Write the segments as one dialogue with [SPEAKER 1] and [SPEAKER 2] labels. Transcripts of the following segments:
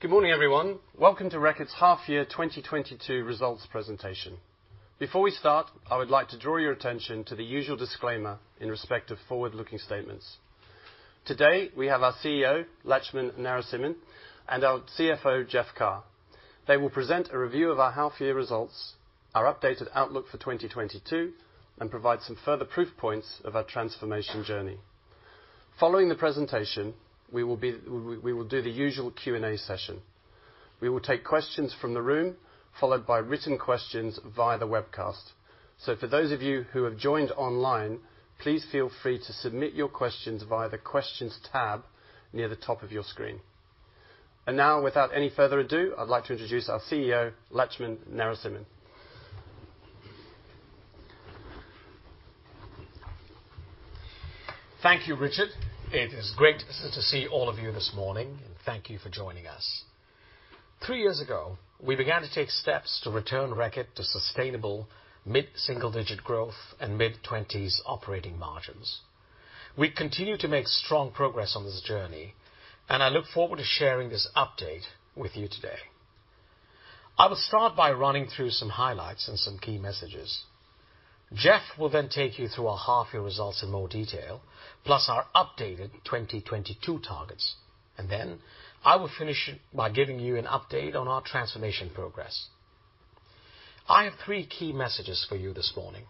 [SPEAKER 1] Good morning, everyone. Welcome to Reckitt's half year 2022 results presentation. Before we start, I would like to draw your attention to the usual disclaimer in respect of forward-looking statements. Today, we have our CEO, Laxman Narasimhan, and our CFO, Jeff Carr. They will present a review of our half year results, our updated outlook for 2022, and provide some further proof points of our transformation journey. Following the presentation, we will do the usual Q&A session. We will take questions from the room, followed by written questions via the webcast. For those of you who have joined online, please feel free to submit your questions via the questions tab near the top of your screen. Now, without any further ado, I'd like to introduce our CEO, Laxman Narasimhan.
[SPEAKER 2] Thank you, Richard. It is great to see all of you this morning, and thank you for joining us. Three years ago, we began to take steps to return Reckitt to sustainable mid single digit growth and mid-20s operating margins. We continue to make strong progress on this journey, and I look forward to sharing this update with you today. I will start by running through some highlights and some key messages. Jeff will then take you through our half year results in more detail, plus our updated 2022 targets. Then I will finish it by giving you an update on our transformation progress. I have three key messages for you this morning.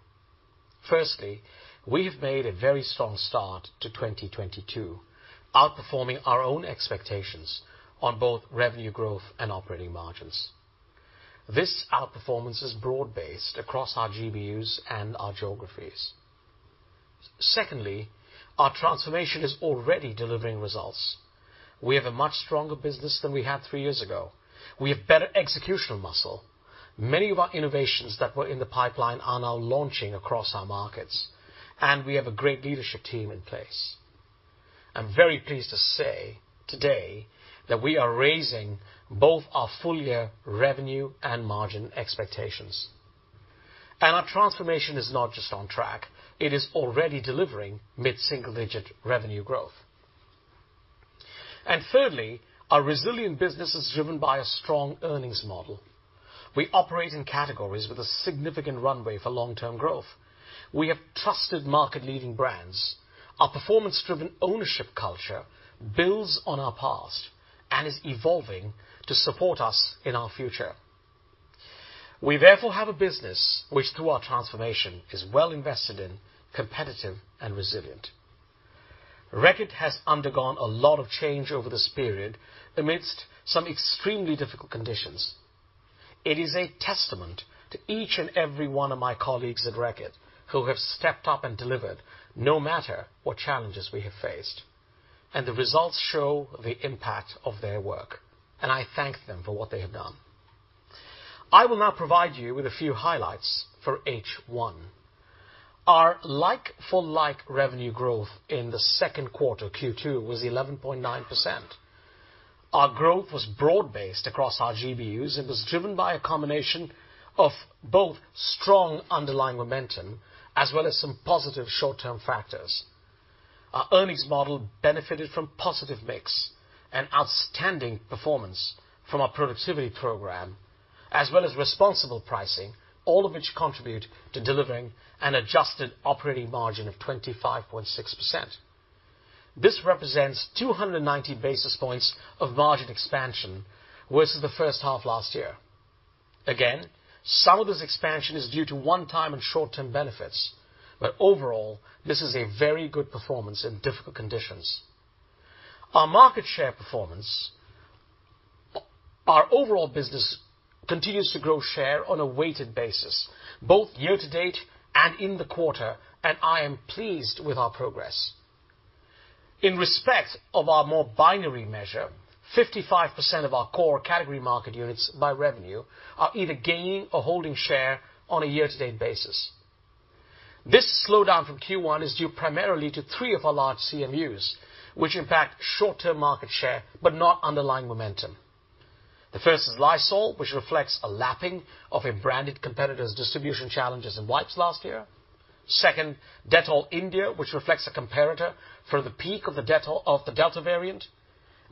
[SPEAKER 2] Firstly, we have made a very strong start to 2022, outperforming our own expectations on both revenue growth and operating margins. This outperformance is broad-based across our GBUs and our geographies. Secondly, our transformation is already delivering results. We have a much stronger business than we had three years ago. We have better executional muscle. Many of our innovations that were in the pipeline are now launching across our markets, and we have a great leadership team in place. I'm very pleased to say today that we are raising both our full year revenue and margin expectations. Our transformation is not just on track, it is already delivering mid single digit revenue growth. Thirdly, our resilient business is driven by a strong earnings model. We operate in categories with a significant runway for long-term growth. We have trusted market leading brands. Our performance-driven ownership culture builds on our past and is evolving to support us in our future. We therefore have a business which, through our transformation, is well invested in, competitive and resilient. Reckitt has undergone a lot of change over this period amidst some extremely difficult conditions. It is a testament to each and every one of my colleagues at Reckitt who have stepped up and delivered, no matter what challenges we have faced. The results show the impact of their work, and I thank them for what they have done. I will now provide you with a few highlights for H1. Our like-for-like revenue growth in the second quarter, Q2, was 11.9%. Our growth was broad-based across our GBUs. It was driven by a combination of both strong underlying momentum as well as some positive short-term factors. Our earnings model benefited from positive mix and outstanding performance from our productivity program, as well as responsible pricing, all of which contribute to delivering an adjusted operating margin of 25.6%. This represents 290 basis points of margin expansion versus the first half last year. Again, some of this expansion is due to one-time and short-term benefits. Overall, this is a very good performance in difficult conditions. Our market share performance. Our overall business continues to grow share on a weighted basis, both year-to-date and in the quarter, and I am pleased with our progress. In respect of our more binary measure, 55% of our core category market units by revenue are either gaining or holding share on a year-to-date basis. This slowdown from Q1 is due primarily to three of our large CMUs, which impact short-term market share, but not underlying momentum. The first is Lysol, which reflects a lapping of a branded competitor's distribution challenges in wipes last year. Second, Dettol India, which reflects a comparator for the peak of the Delta variant.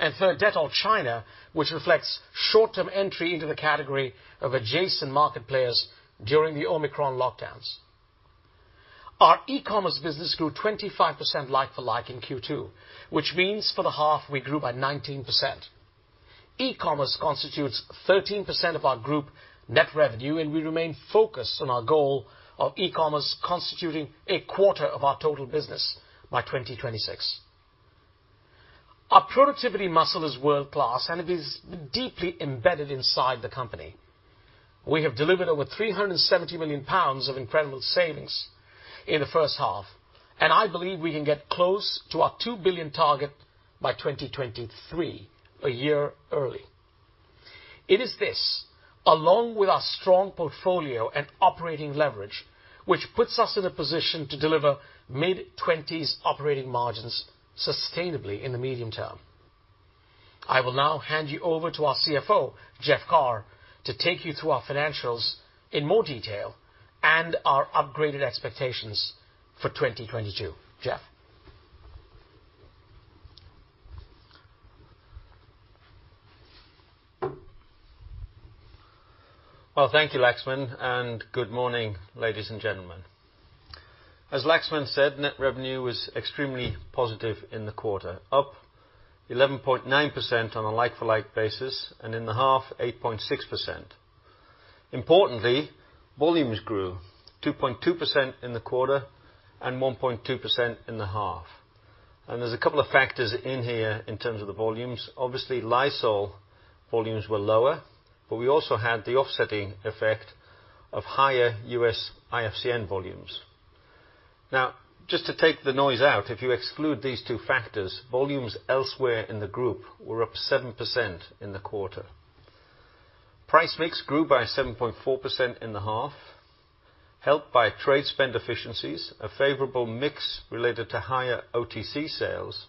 [SPEAKER 2] Third, Dettol China, which reflects short-term entry into the category of adjacent market players during the Omicron lockdowns. Our e-commerce business grew 25% like-for-like in Q2, which means for the half we grew by 19%. E-commerce constitutes 13% of our group net revenue, and we remain focused on our goal of e-commerce constituting a quarter of our total business by 2026. Our productivity muscle is world-class, and it is deeply embedded inside the company. We have delivered over 370 million pounds of incredible savings in the first half, and I believe we can get close to our 2 billion target by 2023, a year early. It is this, along with our strong portfolio and operating leverage, which puts us in a position to deliver mid-20s operating margins sustainably in the medium term. I will now hand you over to our CFO, Jeff Carr, to take you through our financials in more detail. Our upgraded expectations for 2022. Jeff.
[SPEAKER 3] Well, thank you Laxman, and good morning, ladies and gentlemen. As Laxman said, net revenue was extremely positive in the quarter. Up 11.9% on a like-for-like basis, and in the half, 8.6%. Importantly, volumes grew 2.2% in the quarter and 1.2% in the half. There's a couple of factors in here in terms of the volumes. Obviously, Lysol volumes were lower, but we also had the offsetting effect of higher US IFCN volumes. Now, just to take the noise out, if you exclude these two factors, volumes elsewhere in the group were up 7% in the quarter. Price mix grew by 7.4% in the half, helped by trade spend efficiencies, a favorable mix related to higher OTC sales,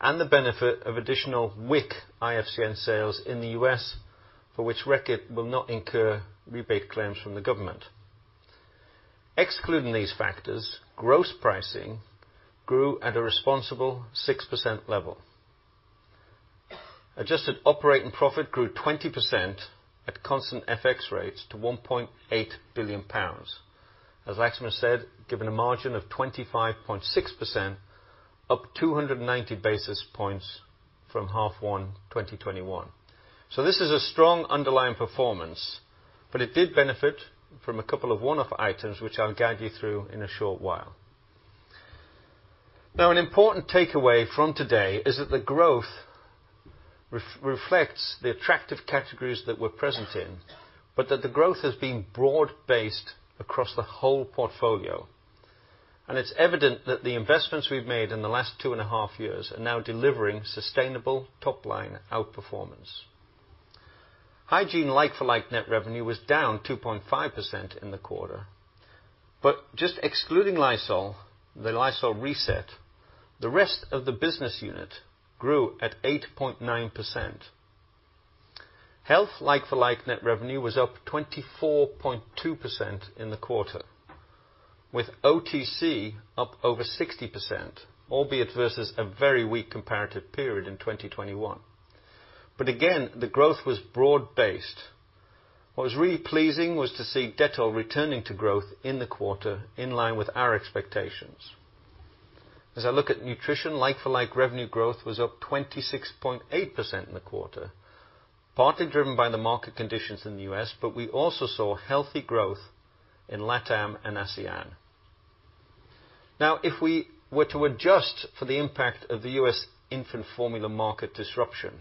[SPEAKER 3] and the benefit of additional WIC IFCN sales in the US, for which Reckitt will not incur rebate claims from the government. Excluding these factors, gross pricing grew at a responsible 6% level. Adjusted operating profit grew 20% at constant FX rates to 1.8 billion pounds. As Laxman said, given a margin of 25.6%, up 290 basis points from half one 2021. This is a strong underlying performance, but it did benefit from a couple of one-off items, which I'll guide you through in a short while. An important takeaway from today is that the growth reflects the attractive categories that we're present in, but that the growth has been broad-based across the whole portfolio. It's evident that the investments we've made in the last two and a half years are now delivering sustainable top-line outperformance. Hygiene like-for-like net revenue was down 2.5% in the quarter. Just excluding Lysol, the Lysol reset, the rest of the business unit grew at 8.9%. Health like-for-like net revenue was up 24.2% in the quarter, with OTC up over 60%, albeit versus a very weak comparative period in 2021. Again, the growth was broad-based. What was really pleasing was to see Dettol returning to growth in the quarter in line with our expectations. As I look at Nutrition, like-for-like revenue growth was up 26.8% in the quarter, partly driven by the market conditions in the U.S., but we also saw healthy growth in LATAM and ASEAN. Now, if we were to adjust for the impact of the U.S. infant formula market disruption,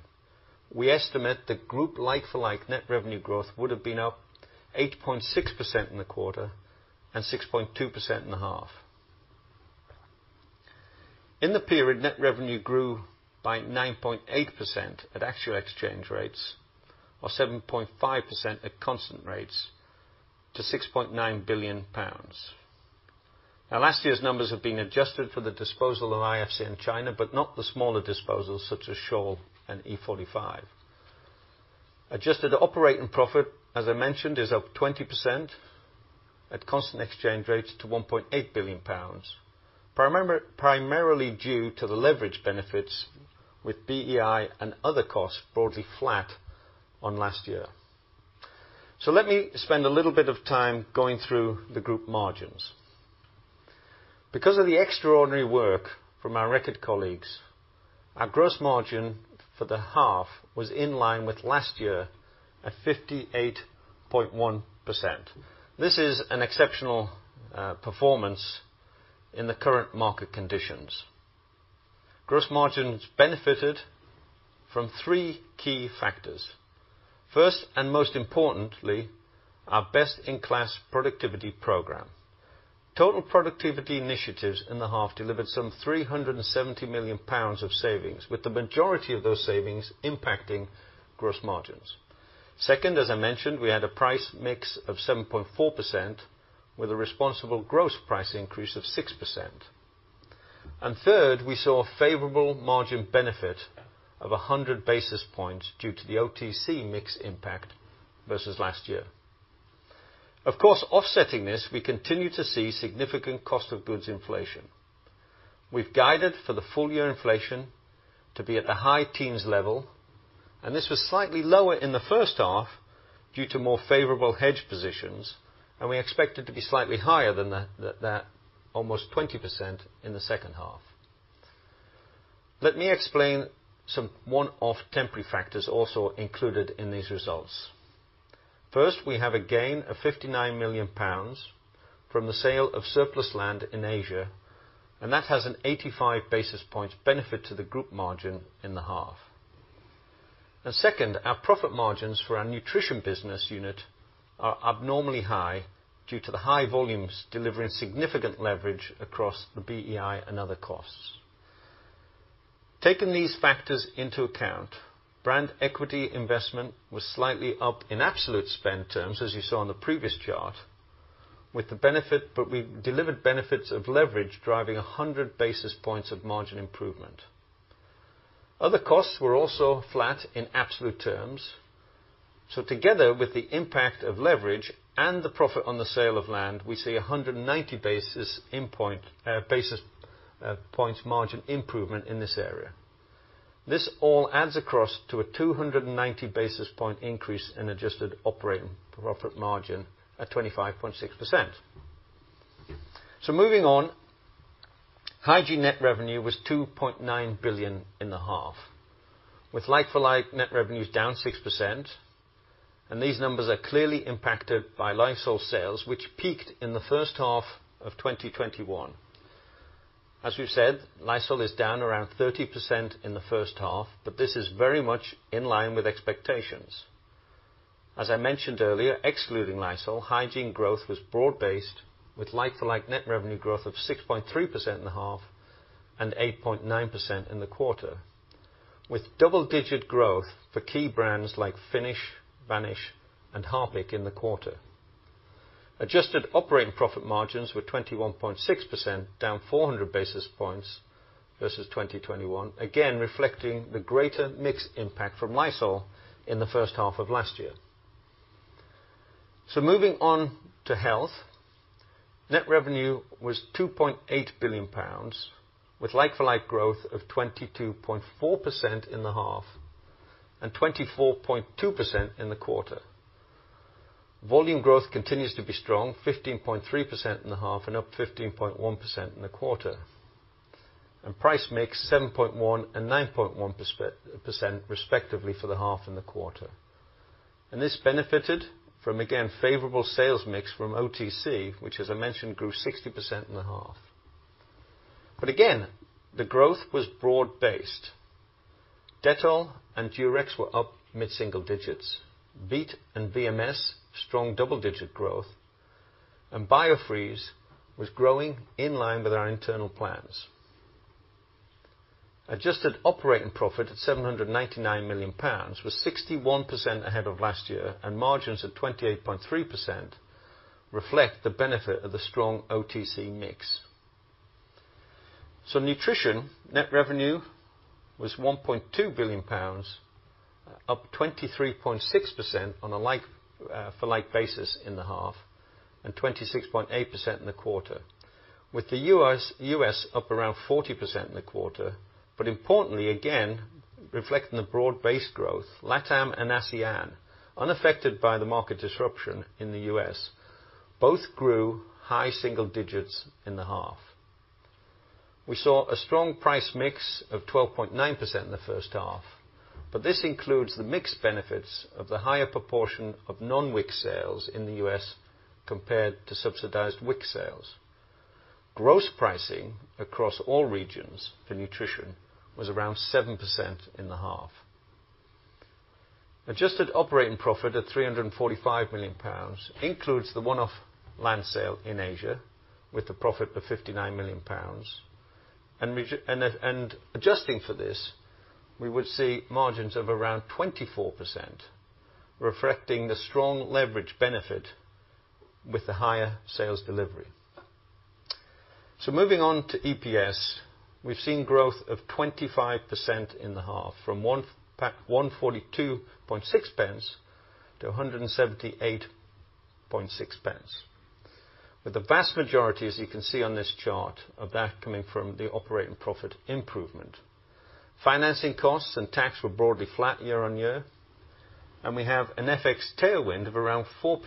[SPEAKER 3] we estimate the group like-for-like net revenue growth would have been up 8.6% in the quarter and 6.2% in the half. In the period, net revenue grew by 9.8% at actual exchange rates, or 7.5% at constant rates to 6.9 billion pounds. Now last year's numbers have been adjusted for the disposal of IFCN in China, but not the smaller disposals such as Scholl and E45. Adjusted operating profit, as I mentioned, is up 20% at constant exchange rates to 1.8 billion pounds. Primarily due to the leverage benefits with BEI and other costs broadly flat on last year. Let me spend a little bit of time going through the group margins. Because of the extraordinary work from our Reckitt colleagues, our gross margin for the half was in line with last year at 58.1%. This is an exceptional performance in the current market conditions. Gross margins benefited from three key factors. First, and most importantly, our best-in-class productivity program. Total productivity initiatives in the half delivered some 370 million pounds of savings, with the majority of those savings impacting gross margins. Second, as I mentioned, we had a price mix of 7.4% with a responsible gross price increase of 6%. Third, we saw a favorable margin benefit of 100 basis points due to the OTC mix impact versus last year. Of course, offsetting this, we continue to see significant cost of goods inflation. We've guided for the full year inflation to be at the high teens level, and this was slightly lower in the first half due to more favorable hedge positions, and we expect it to be slightly higher than that almost 20% in the second half. Let me explain some one-off temporary factors also included in these results. First, we have a gain of 59 million pounds from the sale of surplus land in Asia, and that has an 85 basis points benefit to the group margin in the half. Second, our profit margins for our nutrition business unit are abnormally high due to the high volumes delivering significant leverage across the BEI and other costs. Taking these factors into account, brand equity investment was slightly up in absolute spend terms, as you saw in the previous chart, with the benefit, but we delivered benefits of leverage driving 100 basis points of margin improvement. Other costs were also flat in absolute terms. Together with the impact of leverage and the profit on the sale of land, we see 190 basis points margin improvement in this area. This all adds across to a 290 basis point increase in adjusted operating profit margin at 25.6%. Moving on, Hygiene net revenue was 2.9 billion in the half, with like-for-like net revenues down 6%, and these numbers are clearly impacted by Lysol sales, which peaked in the first half of 2021. As we've said, Lysol is down around 30% in the first half, but this is very much in line with expectations. As I mentioned earlier, excluding Lysol, Hygiene growth was broad-based, with like-for-like net revenue growth of 6.3% in the half and 8.9% in the quarter, with double-digit growth for key brands like Finish, Vanish and Harpic in the quarter. Adjusted operating profit margins were 21.6%, down 400 basis points versus 2021, again reflecting the greater mix impact from Lysol in the first half of last year. Moving on to Health, net revenue was 2.8 billion pounds, with like-for-like growth of 22.4% in the half and 24.2% in the quarter. Volume growth continues to be strong, 15.3% in the half and up 15.1% in the quarter. Price mix 7.1% and 9.1% respectively for the half and the quarter. This benefited from, again, favorable sales mix from OTC, which, as I mentioned, grew 60% in the half. Again, the growth was broad-based. Dettol and Durex were up mid single digits. Veet and VMS, strong double-digit growth. Biofreeze was growing in line with our internal plans. Adjusted operating profit at 799 million pounds was 61% ahead of last year, and margins of 28.3% reflect the benefit of the strong OTC mix. Nutrition net revenue was 1.2 billion pounds, up 23.6% on a like-for-like basis in the half and 26.8% in the quarter, with the U.S. up around 40% in the quarter. Importantly, again, reflecting the broad-based growth, LATAM and ASEAN, unaffected by the market disruption in the U.S., both grew high single digits in the half. We saw a strong price mix of 12.9% in the first half, but this includes the mix benefits of the higher proportion of non-WIC sales in the U.S. compared to subsidized WIC sales. Gross pricing across all regions for nutrition was around 7% in the half. Adjusted operating profit at 345 million pounds includes the one-off land sale in Asia with the profit of 59 million pounds. Adjusting for this, we would see margins of around 24%, reflecting the strong leverage benefit with the higher sales delivery. Moving on to EPS, we've seen growth of 25% in the half from 142.6 pence to 178.6 pence, with the vast majority, as you can see on this chart, of that coming from the operating profit improvement. Financing costs and tax were broadly flat year-on-year, and we have an FX tailwind of around 4% or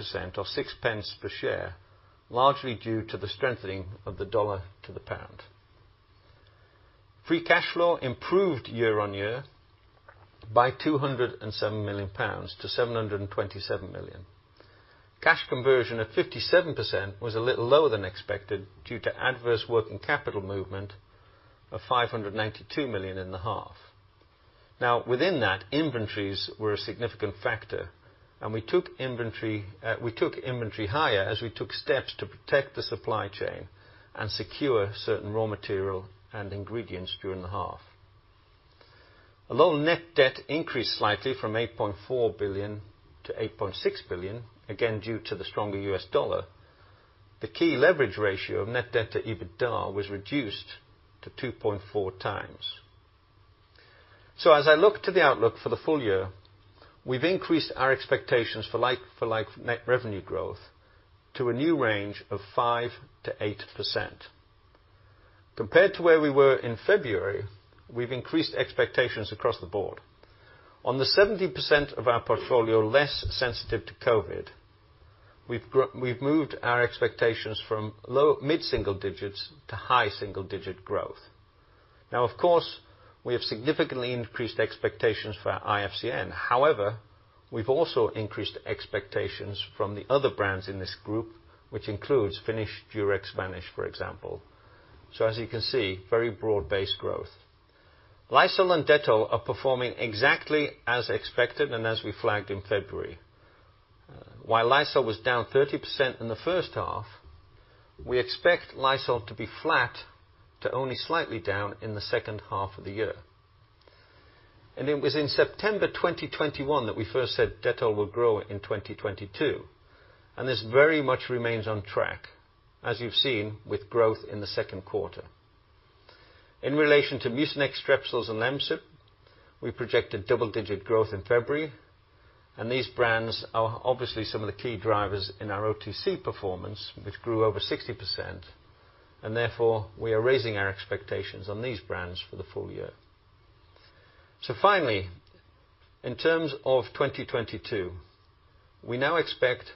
[SPEAKER 3] 6.0 pence per share, largely due to the strengthening of the dollar to the pound. Free cash flow improved year-on-year by 207 million pounds to 727 million. Cash conversion at 57% was a little lower than expected due to adverse working capital movement of 592 million in the half. Now within that, inventories were a significant factor, and we took inventory higher as we took steps to protect the supply chain and secure certain raw material and ingredients during the half. Although net debt increased slightly from 8.4 billion to 8.6 billion, again, due to the stronger US dollar, the key leverage ratio of net debt to EBITDA was reduced to 2.4x. As I look to the outlook for the full year, we've increased our expectations for like-for-like net revenue growth to a new range of 5%-8%. Compared to where we were in February, we've increased expectations across the board. On the 70% of our portfolio less sensitive to COVID, we've moved our expectations from low-mid single digits to high single digit growth. Now, of course, we have significantly increased expectations for our IFCN. However, we've also increased expectations from the other brands in this group, which includes Finish, Durex, Vanish, for example. So as you can see, very broad-based growth. Lysol and Dettol are performing exactly as expected and as we flagged in February. While Lysol was down 30% in the first half, we expect Lysol to be flat to only slightly down in the second half of the year. It was in September 2021 that we first said Dettol will grow in 2022. This very much remains on track, as you've seen with growth in the second quarter. In relation to Mucinex, Strepsils, and Lemsip, we projected double-digit growth in February, and these brands are obviously some of the key drivers in our OTC performance, which grew over 60%, and therefore we are raising our expectations on these brands for the full year. Finally, in terms of 2022, we now expect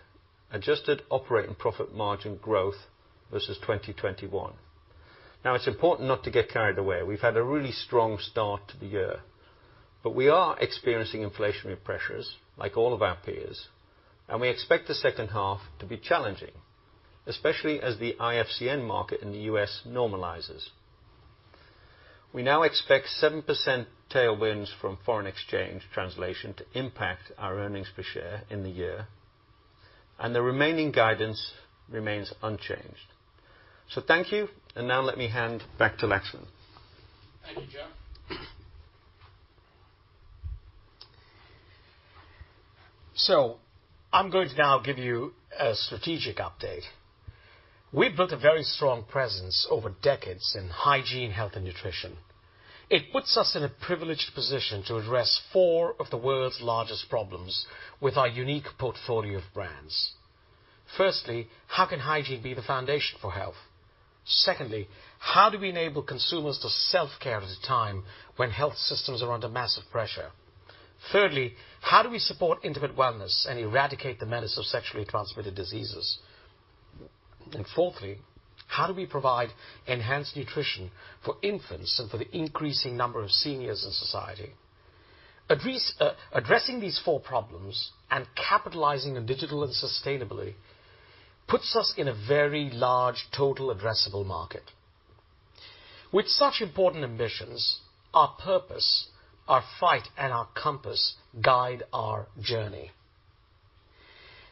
[SPEAKER 3] adjusted operating profit margin growth versus 2021. It's important not to get carried away. We've had a really strong start to the year. We are experiencing inflationary pressures, like all of our peers, and we expect the second half to be challenging, especially as the IFCN market in the U.S. normalizes. We now expect 7% tailwinds from foreign exchange translation to impact our earnings per share in the year, and the remaining guidance remains unchanged. Thank you, and now let me hand back to Laxman.
[SPEAKER 2] Thank you, Jeff. I'm going to now give you a strategic update. We've built a very strong presence over decades in hygiene, health, and nutrition. It puts us in a privileged position to address four of the world's largest problems with our unique portfolio of brands. Firstly, how can hygiene be the foundation for health? Secondly, how do we enable consumers to self-care at a time when health systems are under massive pressure? Thirdly, how do we support intimate wellness and eradicate the menace of sexually transmitted diseases? And fourthly, how do we provide enhanced nutrition for infants and for the increasing number of seniors in society? Addressing these four problems and capitalizing on digital and sustainability puts us in a very large total addressable market. With such important ambitions, our purpose, our fight, and our compass guide our journey.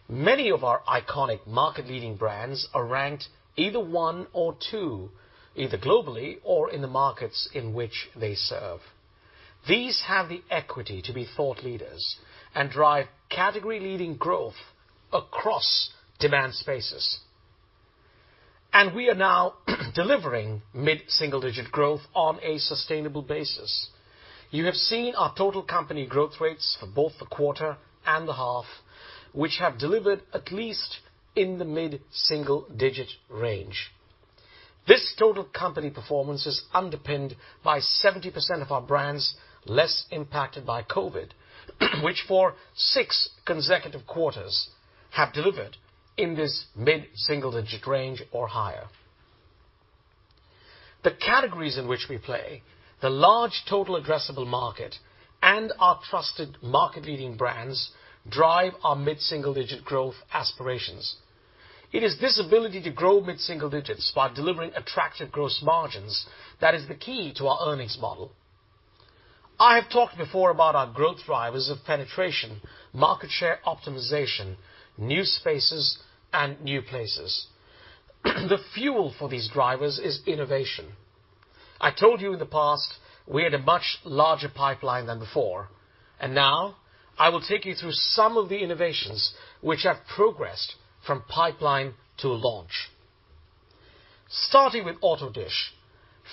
[SPEAKER 2] Many of our iconic market-leading brands are ranked either one or two, either globally or in the markets in which they serve. These have the equity to be thought leaders and drive category-leading growth across demand spaces. We are now delivering mid single digit growth on a sustainable basis. You have seen our total company growth rates for both the quarter and the half, which have delivered at least in the mid single digit range. This total company performance is underpinned by 70% of our brands less impacted by COVID, which for six consecutive quarters have delivered in this mid single digit range or higher. The categories in which we play, the large total addressable market, and our trusted market-leading brands drive our mid single digit growth aspirations. It is this ability to grow mid single digits while delivering attractive gross margins that is the key to our earnings model. I have talked before about our growth drivers of penetration, market share optimization, new spaces, and new places. The fuel for these drivers is innovation. I told you in the past, we had a much larger pipeline than before, and now I will take you through some of the innovations which have progressed from pipeline to launch. Starting with Auto Dish,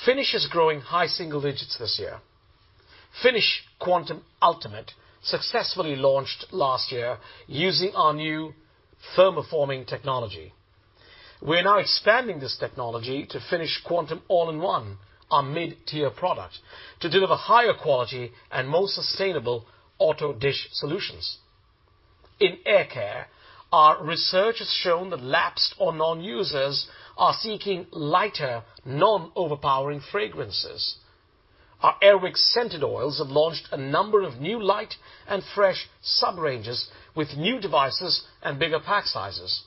[SPEAKER 2] Finish is growing high single digits this year. Finish Quantum Ultimate successfully launched last year using our new thermoforming technology. We're now expanding this technology to Finish Quantum All-in-One, our mid-tier product, to deliver higher quality and more sustainable Auto Dish solutions. In air care, our research has shown that lapsed or non-users are seeking lighter, non-overpowering fragrances. Our Air Wick Scented Oils have launched a number of new light and fresh sub-ranges with new devices and bigger pack sizes.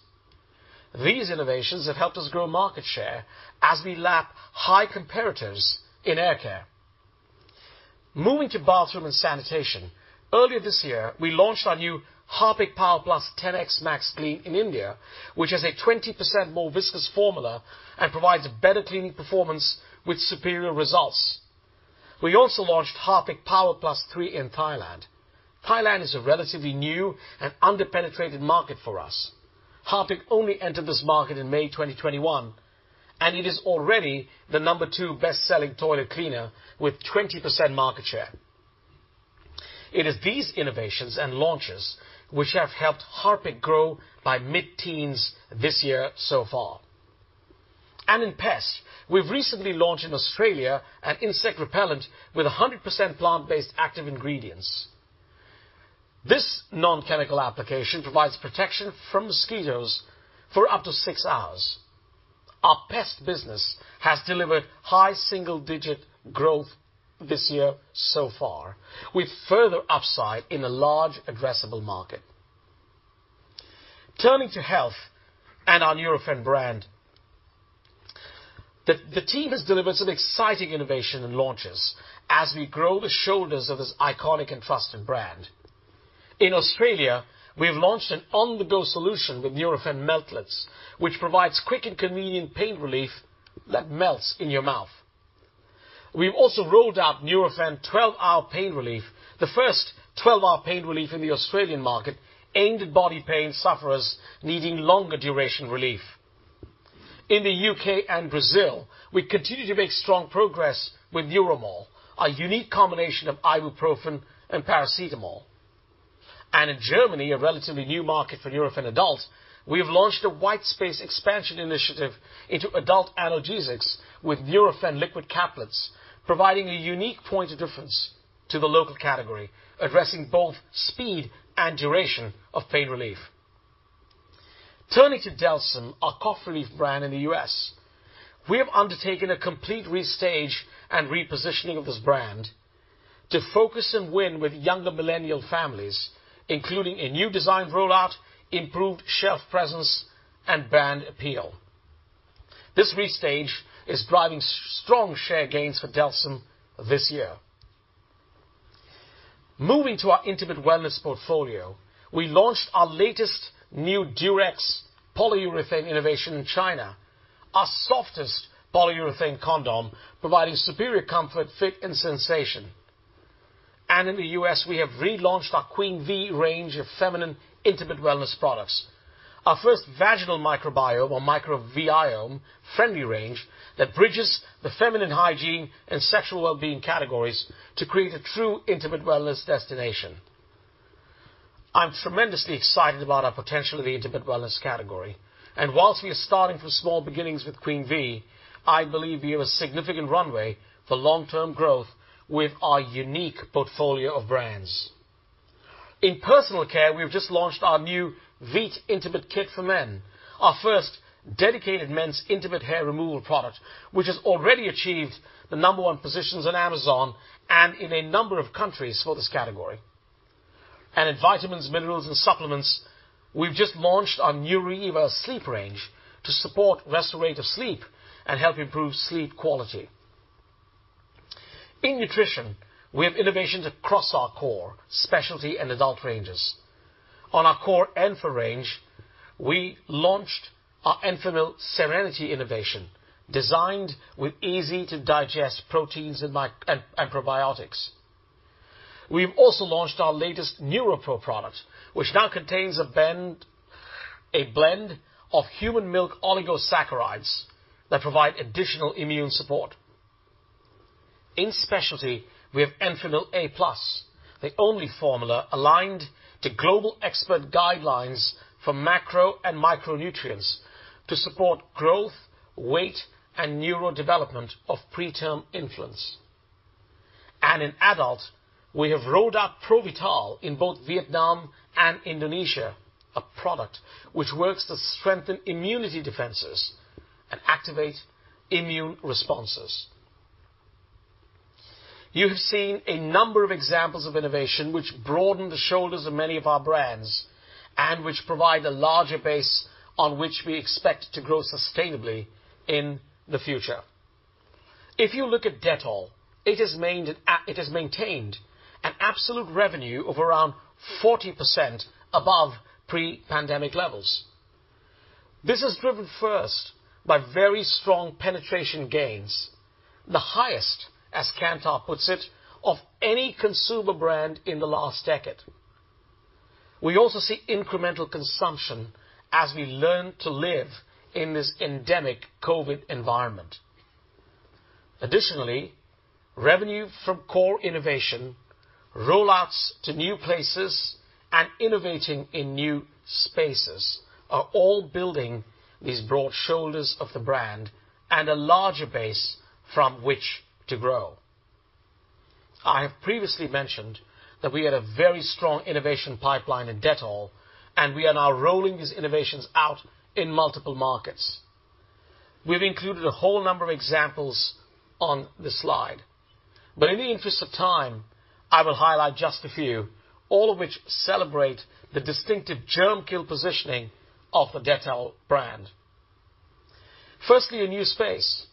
[SPEAKER 2] These innovations have helped us grow market share as we lap high competitors in air care. Moving to bathroom and sanitation, earlier this year, we launched our new Harpic Power Plus 10x Max Clean in India, which has a 20% more viscous formula and provides better cleaning performance with superior results. We also launched Harpic Power Plus 3-in-1 in Thailand. Thailand is a relatively new and under-penetrated market for us. Harpic only entered this market in May 2021, and it is already the number two best-selling toilet cleaner with 20% market share. It is these innovations and launches which have helped Harpic grow by mid-teens this year so far. In pest, we've recently launched in Australia an insect repellent with a 100% plant-based active ingredients. This non-chemical application provides protection from mosquitoes for up to six hours. Our pest business has delivered high single digit growth this year so far, with further upside in a large addressable market. Turning to health and our Nurofen brand, the team has delivered some exciting innovation and launches as we grow the shoulders of this iconic and trusted brand. In Australia, we have launched an on-the-go solution with Nurofen Meltlets, which provides quick and convenient pain relief that melts in your mouth. We've also rolled out Nurofen 12-hour pain relief, the first 12-hour pain relief in the Australian market, aimed at body pain sufferers needing longer duration relief. In the U.K. and Brazil, we continue to make strong progress with Nuromol, a unique combination of ibuprofen and paracetamol. In Germany, a relatively new market for Nurofen Adult, we have launched a white space expansion initiative into adult analgesics with Nurofen Liquid Caplets, providing a unique point of difference to the local category, addressing both speed and duration of pain relief. Turning to Delsym, our cough relief brand in the U.S., we have undertaken a complete restage and repositioning of this brand to focus and win with younger millennial families, including a new design rollout, improved shelf presence, and brand appeal. This restage is driving strong share gains for Delsym this year. Moving to our Intimate Wellness portfolio, we launched our latest new Durex polyurethane innovation in China, our softest polyurethane condom, providing superior comfort, fit, and sensation. In the U.S., we have relaunched our Queen V range of feminine intimate wellness products. Our first vaginal microbiome or micro-V-iome friendly range that bridges the feminine hygiene and sexual wellbeing categories to create a true intimate wellness destination. I'm tremendously excited about our potential in the intimate wellness category, and while we are starting from small beginnings with Queen V, I believe we have a significant runway for long-term growth with our unique portfolio of brands. In personal care, we have just launched our new Veet Intimate Kit for Men, our first dedicated men's intimate hair removal product, which has already achieved the number one positions on Amazon and in a number of countries for this category. In vitamins, minerals, and supplements, we've just launched our new Neuriva Sleep range to support restorative sleep and help improve sleep quality. In Nutrition, we have innovations across our core specialty and adult ranges. On our core Enfa range, we launched our Enfamil Serenity innovation, designed with easy-to-digest proteins and probiotics. We've also launched our latest NeuroPro product, which now contains a blend of human milk oligosaccharides that provide additional immune support. In specialty, we have Enfamil A+, the only formula aligned to global expert guidelines for macro and micronutrients to support growth, weight, and neurodevelopment of preterm infants. In adult, we have rolled out Provital in both Vietnam and Indonesia, a product which works to strengthen immunity defenses and activate immune responses. You have seen a number of examples of innovation which broaden the shoulders of many of our brands and which provide a larger base on which we expect to grow sustainably in the future. If you look at Dettol, it has maintained an absolute revenue of around 40% above pre-pandemic levels. This is driven first by very strong penetration gains, the highest, as Kantar puts it, of any consumer brand in the last decade. We also see incremental consumption as we learn to live in this endemic COVID environment. Additionally, revenue from core innovation, rollouts to new places, and innovating in new spaces are all building these broad shoulders of the brand and a larger base from which to grow. I have previously mentioned that we had a very strong innovation pipeline in Dettol, and we are now rolling these innovations out in multiple markets. We've included a whole number of examples on this slide, but in the interest of time, I will highlight just a few, all of which celebrate the distinctive germ-kill positioning of the Dettol brand. Firstly, a new space.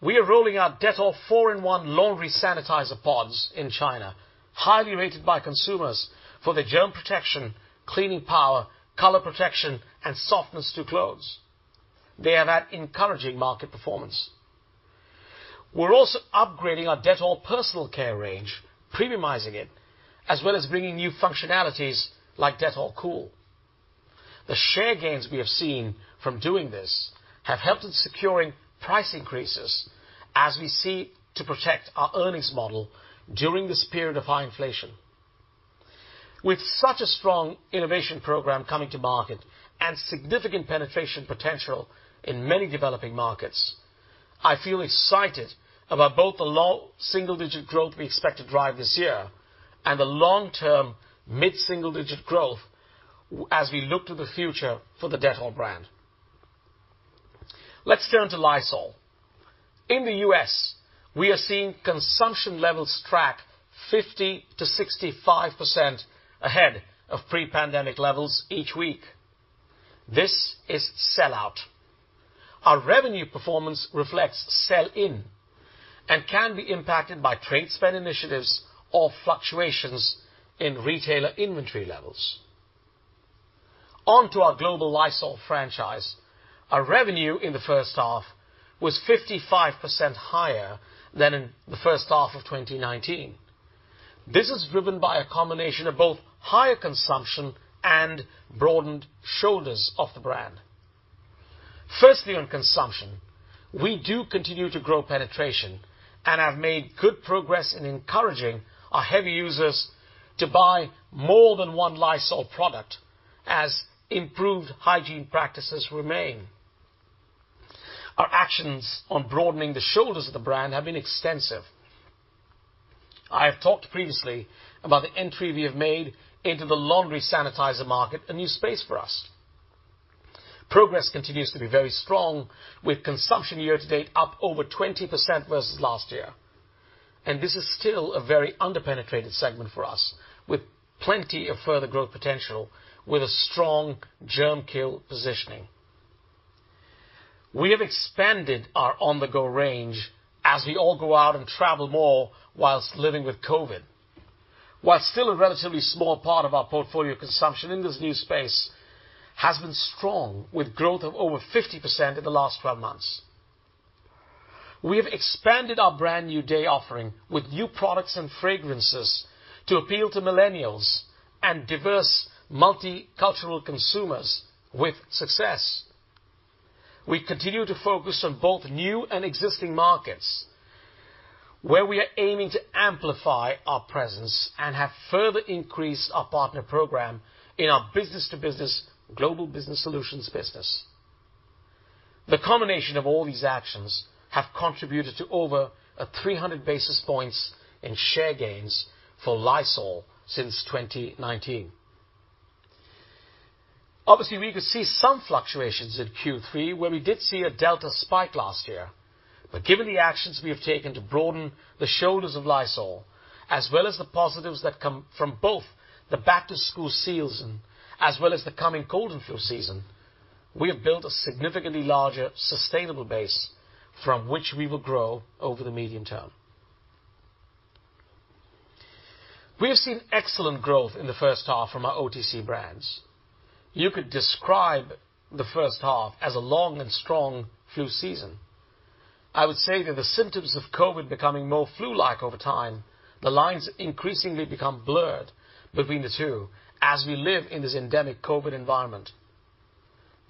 [SPEAKER 2] We are rolling out Dettol 4-in-1 Laundry Sanitizer Pods in China, highly rated by consumers for their germ protection, cleaning power, color protection, and softness to clothes. They have had encouraging market performance. We're also upgrading our Dettol personal care range, premiumizing it, as well as bringing new functionalities like Dettol Cool. The share gains we have seen from doing this have helped in securing price increases as we seek to protect our earnings model during this period of high inflation. With such a strong innovation program coming to market and significant penetration potential in many developing markets, I feel excited about both the low single digit growth we expect to drive this year and the long-term mid single digit growth as we look to the future for the Dettol brand. Let's turn to Lysol. In the U.S., we are seeing consumption levels track 50%-65% ahead of pre-pandemic levels each week. This is sell out. Our revenue performance reflects sell in and can be impacted by trade spend initiatives or fluctuations in retailer inventory levels. On to our global Lysol franchise. Our revenue in the first half was 55% higher than in the first half of 2019. This is driven by a combination of both higher consumption and broadened shoulders of the brand. Firstly, on consumption, we do continue to grow penetration and have made good progress in encouraging our heavy users to buy more than one Lysol product as improved hygiene practices remain. Our actions on broadening the shoulders of the brand have been extensive. I have talked previously about the entry we have made into the laundry sanitizer market, a new space for us. Progress continues to be very strong with consumption year-to-date up over 20% versus last year. This is still a very under-penetrated segment for us, with plenty of further growth potential with a strong germ kill positioning. We have expanded our on-the-go range as we all go out and travel more while living with COVID. While still a relatively small part of our portfolio, consumption in this new space has been strong, with growth of over 50% in the last twelve months. We have expanded our Brand New Day offering with new products and fragrances to appeal to millennials and diverse multicultural consumers with success. We continue to focus on both new and existing markets, where we are aiming to amplify our presence and have further increased our partner program in our business-to-business global business solutions business. The combination of all these actions have contributed to over 300 basis points in share gains for Lysol since 2019. Obviously, we could see some fluctuations in Q3 where we did see a Delta spike last year. Given the actions we have taken to broaden the shoulders of Lysol, as well as the positives that come from both the back-to-school season as well as the coming cold and flu season, we have built a significantly larger sustainable base from which we will grow over the medium term. We have seen excellent growth in the first half from our OTC brands. You could describe the first half as a long and strong flu season. I would say that the symptoms of COVID becoming more flu-like over time, the lines increasingly become blurred between the two as we live in this endemic COVID environment.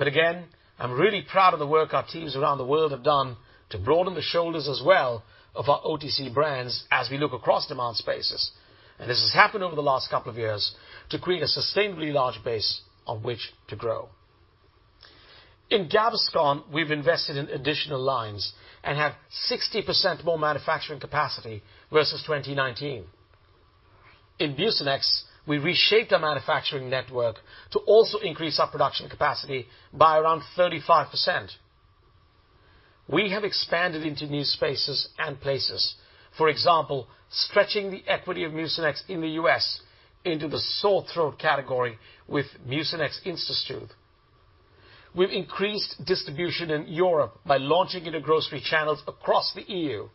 [SPEAKER 2] again, I'm really proud of the work our teams around the world have done to broaden the shoulders as well of our OTC brands as we look across demand spaces. This has happened over the last couple of years to create a sustainably large base on which to grow. In Gaviscon, we've invested in additional lines and have 60% more manufacturing capacity versus 2019. In Mucinex, we reshaped our manufacturing network to also increase our production capacity by around 35%. We have expanded into new spaces and places, for example, stretching the equity of Mucinex in the U.S. into the sore throat category with Mucinex InstaSoothe. We've increased distribution in Europe by launching into grocery channels across the EU,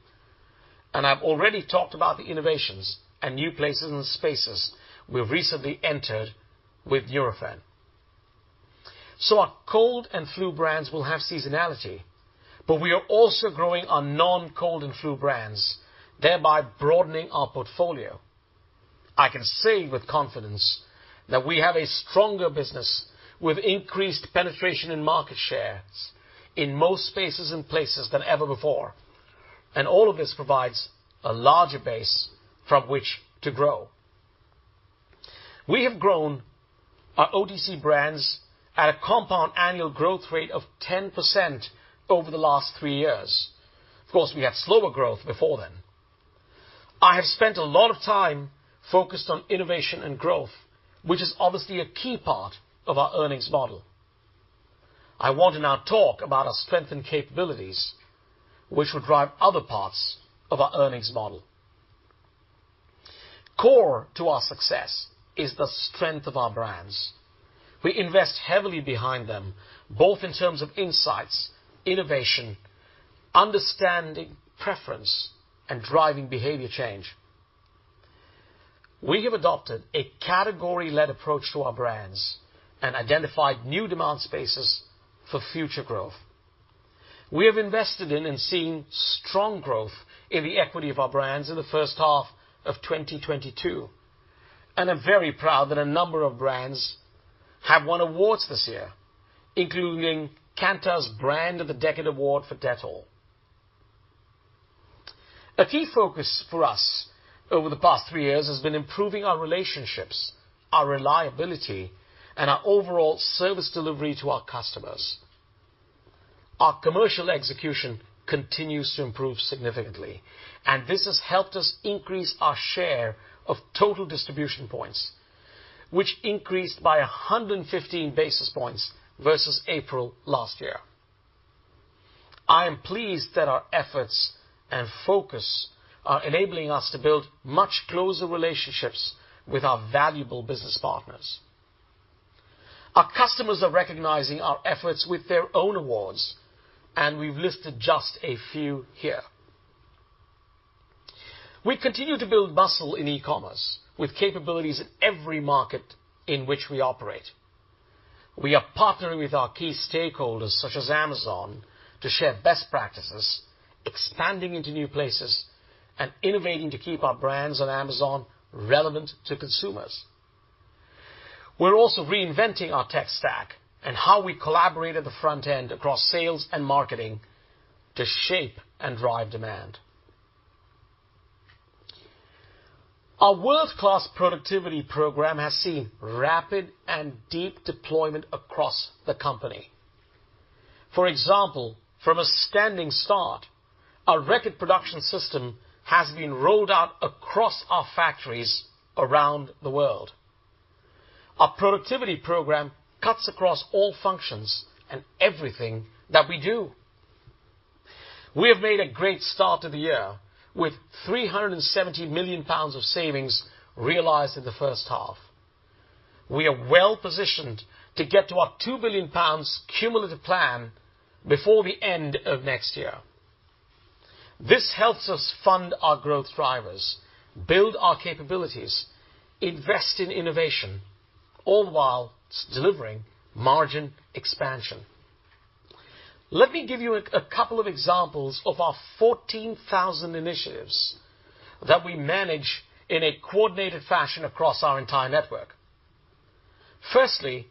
[SPEAKER 2] and I've already talked about the innovations and new places and spaces we've recently entered with Nurofen. Our cold and flu brands will have seasonality, but we are also growing our non-cold and flu brands, thereby broadening our portfolio. I can say with confidence that we have a stronger business with increased penetration in market shares in most spaces and places than ever before. All of this provides a larger base from which to grow. We have grown our OTC brands at a compound annual growth rate of 10% over the last three years. Of course, we had slower growth before then. I have spent a lot of time focused on innovation and growth, which is obviously a key part of our earnings model. I want to now talk about our strength and capabilities, which will drive other parts of our earnings model. Core to our success is the strength of our brands. We invest heavily behind them, both in terms of insights, innovation, understanding preference, and driving behavior change. We have adopted a category-led approach to our brands and identified new demand spaces for future growth. We have invested in and seen strong growth in the equity of our brands in the first half of 2022, and I'm very proud that a number of brands have won awards this year, including Kantar's Brand of the Decade Award for Dettol. A key focus for us over the past three years has been improving our relationships, our reliability, and our overall service delivery to our customers. Our commercial execution continues to improve significantly, and this has helped us increase our share of total distribution points, which increased by 115 basis points versus April last year. I am pleased that our efforts and focus are enabling us to build much closer relationships with our valuable business partners. Our customers are recognizing our efforts with their own awards, and we've listed just a few here. We continue to build muscle in e-commerce with capabilities in every market in which we operate. We are partnering with our key stakeholders, such as Amazon, to share best practices, expanding into new places, and innovating to keep our brands on Amazon relevant to consumers. We're also reinventing our tech stack and how we collaborate at the front end across sales and marketing to shape and drive demand. Our world-class productivity program has seen rapid and deep deployment across the company. For example, from a standing start, our Reckitt Production System has been rolled out across our factories around the world. Our productivity program cuts across all functions and everything that we do. We have made a great start to the year with 370 million pounds of savings realized in the first half. We are well-positioned to get to our 2 billion pounds cumulative plan before the end of next year. This helps us fund our growth drivers, build our capabilities, invest in innovation, all while delivering margin expansion. Let me give you a couple of examples of our 14,000 initiatives that we manage in a coordinated fashion across our entire network. Firstly,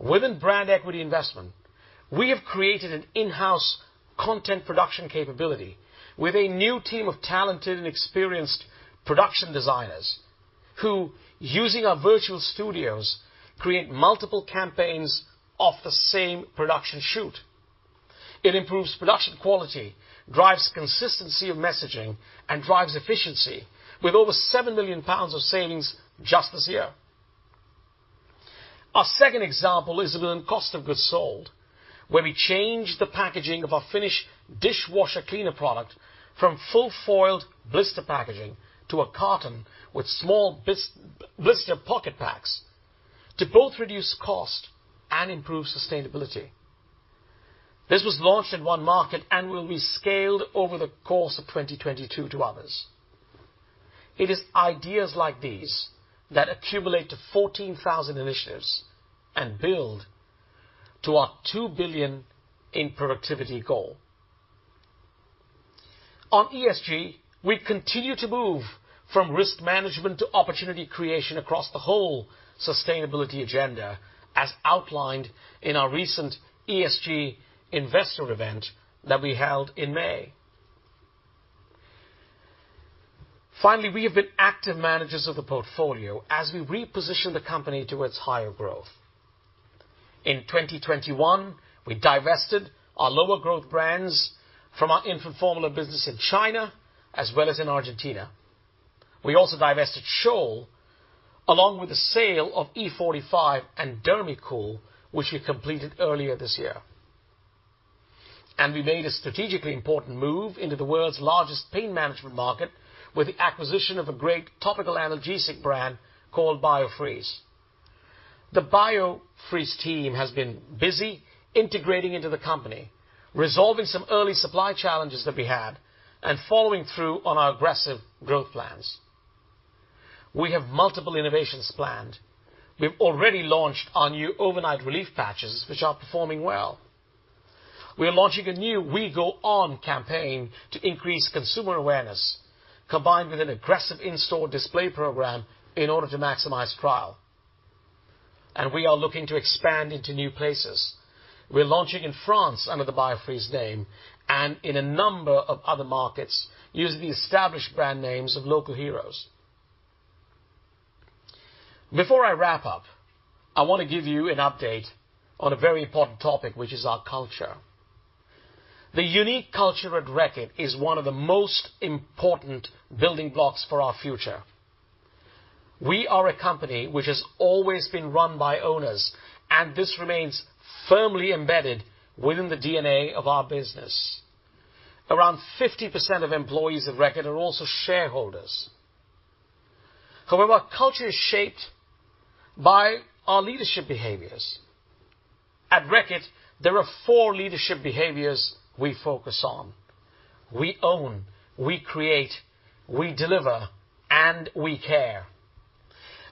[SPEAKER 2] within brand equity investment, we have created an in-house content production capability with a new team of talented and experienced production designers who, using our virtual studios, create multiple campaigns of the same production shoot. It improves production quality, drives consistency of messaging, and drives efficiency with over 7 million pounds of savings just this year. Our second example is within cost of goods sold, where we changed the packaging of our Finish dishwasher cleaner product from full foil blister packaging to a carton with small blister pocket packs to both reduce cost and improve sustainability. This was launched in one market and will be scaled over the course of 2022 to others. It is ideas like these that accumulate to 14,000 initiatives and build to our 2 billion in productivity goal. On ESG, we continue to move from risk management to opportunity creation across the whole sustainability agenda, as outlined in our recent ESG investor event that we held in May. Finally, we have been active managers of the portfolio as we reposition the company towards higher growth. In 2021, we divested our lower growth brands from our infant formula business in China as well as in Argentina. We also divested Scholl along with the sale of E45 and Dermicool, which we completed earlier this year. We made a strategically important move into the world's largest pain management market with the acquisition of a great topical analgesic brand called Biofreeze. The Biofreeze team has been busy integrating into the company, resolving some early supply challenges that we had, and following through on our aggressive growth plans. We have multiple innovations planned. We've already launched our new overnight relief patches, which are performing well. We are launching a new We Go On campaign to increase consumer awareness, combined with an aggressive in-store display program in order to maximize trial. We are looking to expand into new places. We're launching in France under the Biofreeze name and in a number of other markets using the established brand names of local heroes. Before I wrap up, I wanna give you an update on a very important topic, which is our culture. The unique culture at Reckitt is one of the most important building blocks for our future. We are a company which has always been run by owners, and this remains firmly embedded within the DNA of our business. Around 50% of employees at Reckitt are also shareholders. However, culture is shaped by our leadership behaviors. At Reckitt, there are four leadership behaviors we focus on. We own, we create, we deliver, and we care.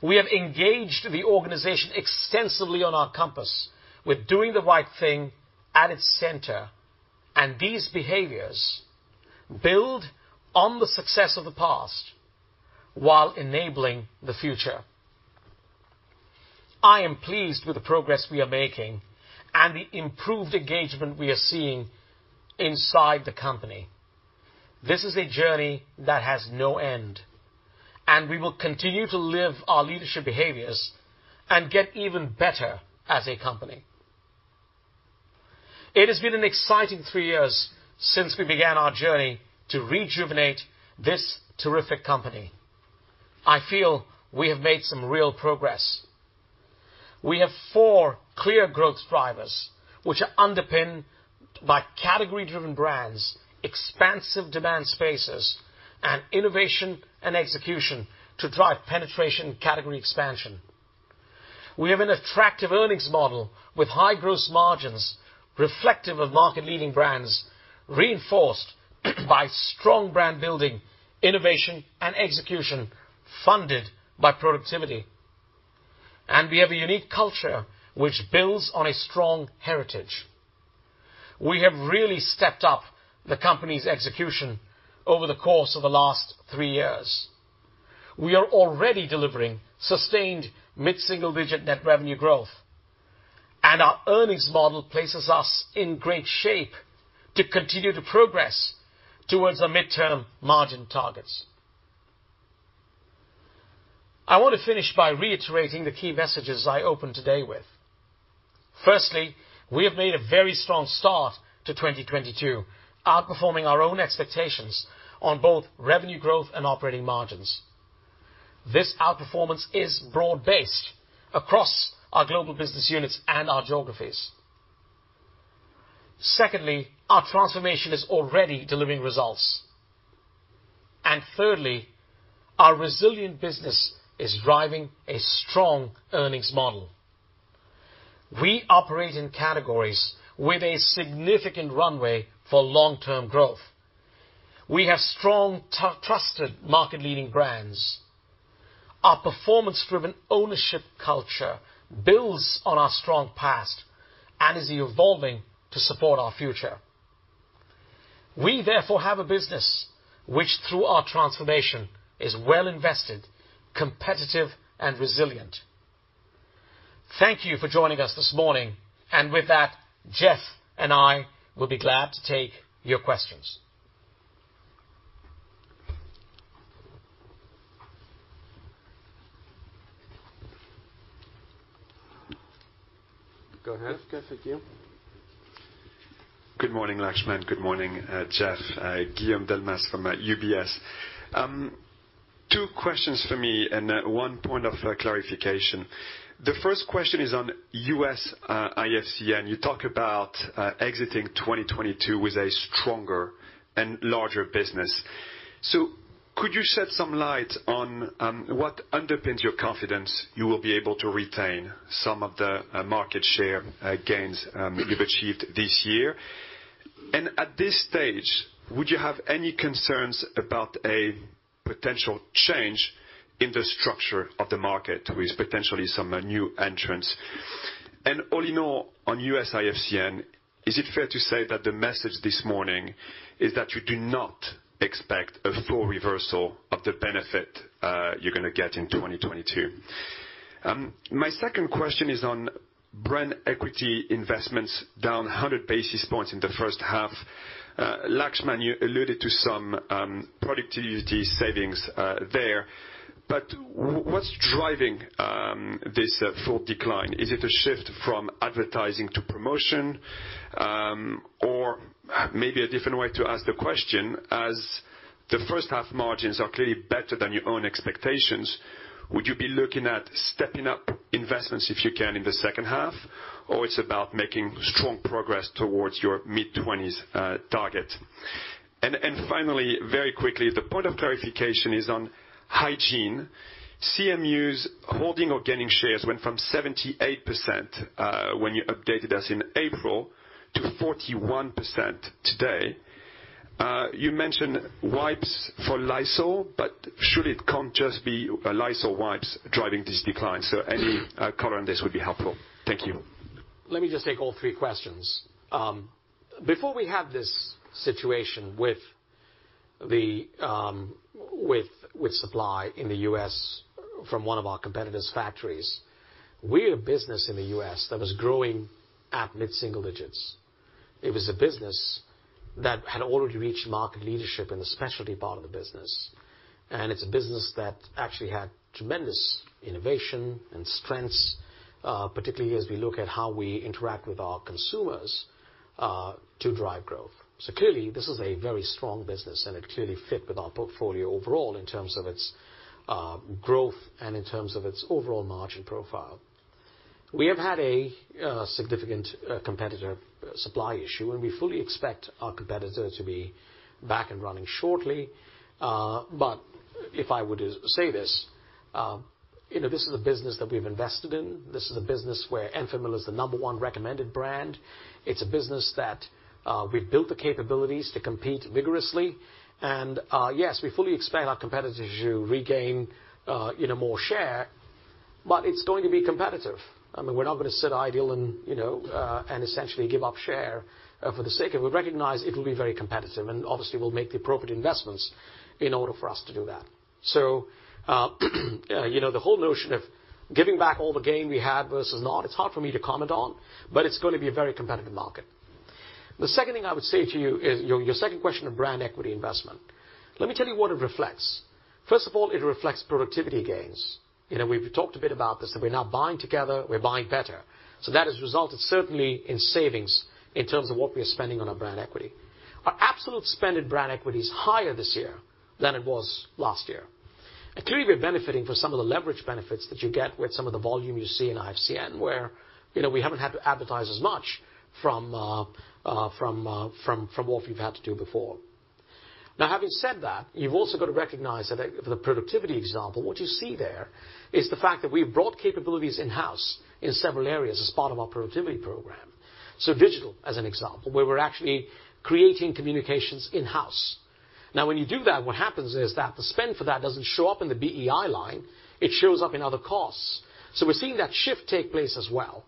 [SPEAKER 2] We have engaged the organization extensively on our compass. We're doing the right thing at its center, and these behaviors build on the success of the past while enabling the future. I am pleased with the progress we are making and the improved engagement we are seeing inside the company. This is a journey that has no end, and we will continue to live our leadership behaviors and get even better as a company. It has been an exciting three years since we began our journey to rejuvenate this terrific company. I feel we have made some real progress. We have four clear growth drivers, which are underpinned by category-driven brands, expansive demand spaces, and innovation and execution to drive penetration and category expansion. We have an attractive earnings model with high gross margins reflective of market leading brands, reinforced by strong brand building, innovation and execution funded by productivity. We have a unique culture which builds on a strong heritage. We have really stepped up the company's execution over the course of the last three years. We are already delivering sustained mid single digit net revenue growth, and our earnings model places us in great shape to continue to progress towards our midterm margin targets. I want to finish by reiterating the key messages I opened today with. Firstly, we have made a very strong start to 2022, outperforming our own expectations on both revenue growth and operating margins. This outperformance is broad-based across our global business units and our geographies. Secondly, our transformation is already delivering results. Thirdly, our resilient business is driving a strong earnings model. We operate in categories with a significant runway for long-term growth. We have strong, trusted market leading brands. Our performance driven ownership culture builds on our strong past and is evolving to support our future. We therefore have a business which, through our transformation, is well invested, competitive and resilient. Thank you for joining us this morning. With that, Jeff and I will be glad to take your questions. Go ahead, Guillaume.
[SPEAKER 4] Good morning, Laxman. Good morning, Jeff. Guillaume Delmas from UBS. Two questions for me and one point of clarification. The first question is on US IFCN. You talk about exiting 2022 with a stronger and larger business. Could you shed some light on what underpins your confidence you will be able to retain some of the market share gains you've achieved this year? At this stage, would you have any concerns about a potential change in the structure of the market with potentially some new entrants? All in all, on US IFCN, is it fair to say that the message this morning is that you do not expect a full reversal of the benefit you're gonna get in 2022? My second question is on brand equity investments down 100 basis points in the first half. Laxman, you alluded to some productivity savings there, but what's driving this full decline? Is it a shift from advertising to promotion? Or maybe a different way to ask the question, as the first half margins are clearly better than your own expectations, would you be looking at stepping up investments, if you can, in the second half, or it's about making strong progress towards your mid-twenties target? Finally, very quickly, the point of clarification is on hygiene. CMUs holding or gaining shares went from 78% when you updated us in April, to 41% today. You mentioned wipes for Lysol, but surely it can't just be Lysol wipes driving this decline. Any color on this would be helpful. Thank you.
[SPEAKER 2] Let me just take all three questions. Before we had this situation with the supply in the U.S. from one of our competitors' factories, we had a business in the U.S. that was growing at mid single digits. It was a business that had already reached market leadership in the specialty part of the business, and it's a business that actually had tremendous innovation and strengths, particularly as we look at how we interact with our consumers to drive growth. Clearly this is a very strong business, and it clearly fit with our portfolio overall in terms of its growth and in terms of its overall margin profile. We have had a significant competitor supply issue, and we fully expect our competitor to be back and running shortly. If I were to say this, you know, this is a business that we've invested in. This is a business where Enfamil is the number one recommended brand. It's a business that we've built the capabilities to compete vigorously. Yes, we fully expect our competitor to regain, you know, more share, but it's going to be competitive. I mean, we're not gonna sit idle and, you know, and essentially give up share, for the sake of it. We recognize it will be very competitive and obviously we'll make the appropriate investments in order for us to do that. You know, the whole notion of giving back all the gain we had versus not, it's hard for me to comment on, but it's going to be a very competitive market. The second thing I would say to you is your second question on brand equity investment. Let me tell you what it reflects. First of all, it reflects productivity gains. You know, we've talked a bit about this, that we're now buying together, we're buying better. So that has resulted certainly in savings in terms of what we are spending on our brand equity. Our absolute spend in brand equity is higher this year than it was last year. Clearly, we're benefiting from some of the leverage benefits that you get with some of the volume you see in IFCN, where, you know, we haven't had to advertise as much from what we've had to do before. Now, having said that, you've also got to recognize that, for the productivity example, what you see there is the fact that we've brought capabilities in-house in several areas as part of our productivity program. Digital, as an example, where we're actually creating communications in-house. Now, when you do that, what happens is that the spend for that doesn't show up in the BEI line, it shows up in other costs. We're seeing that shift take place as well.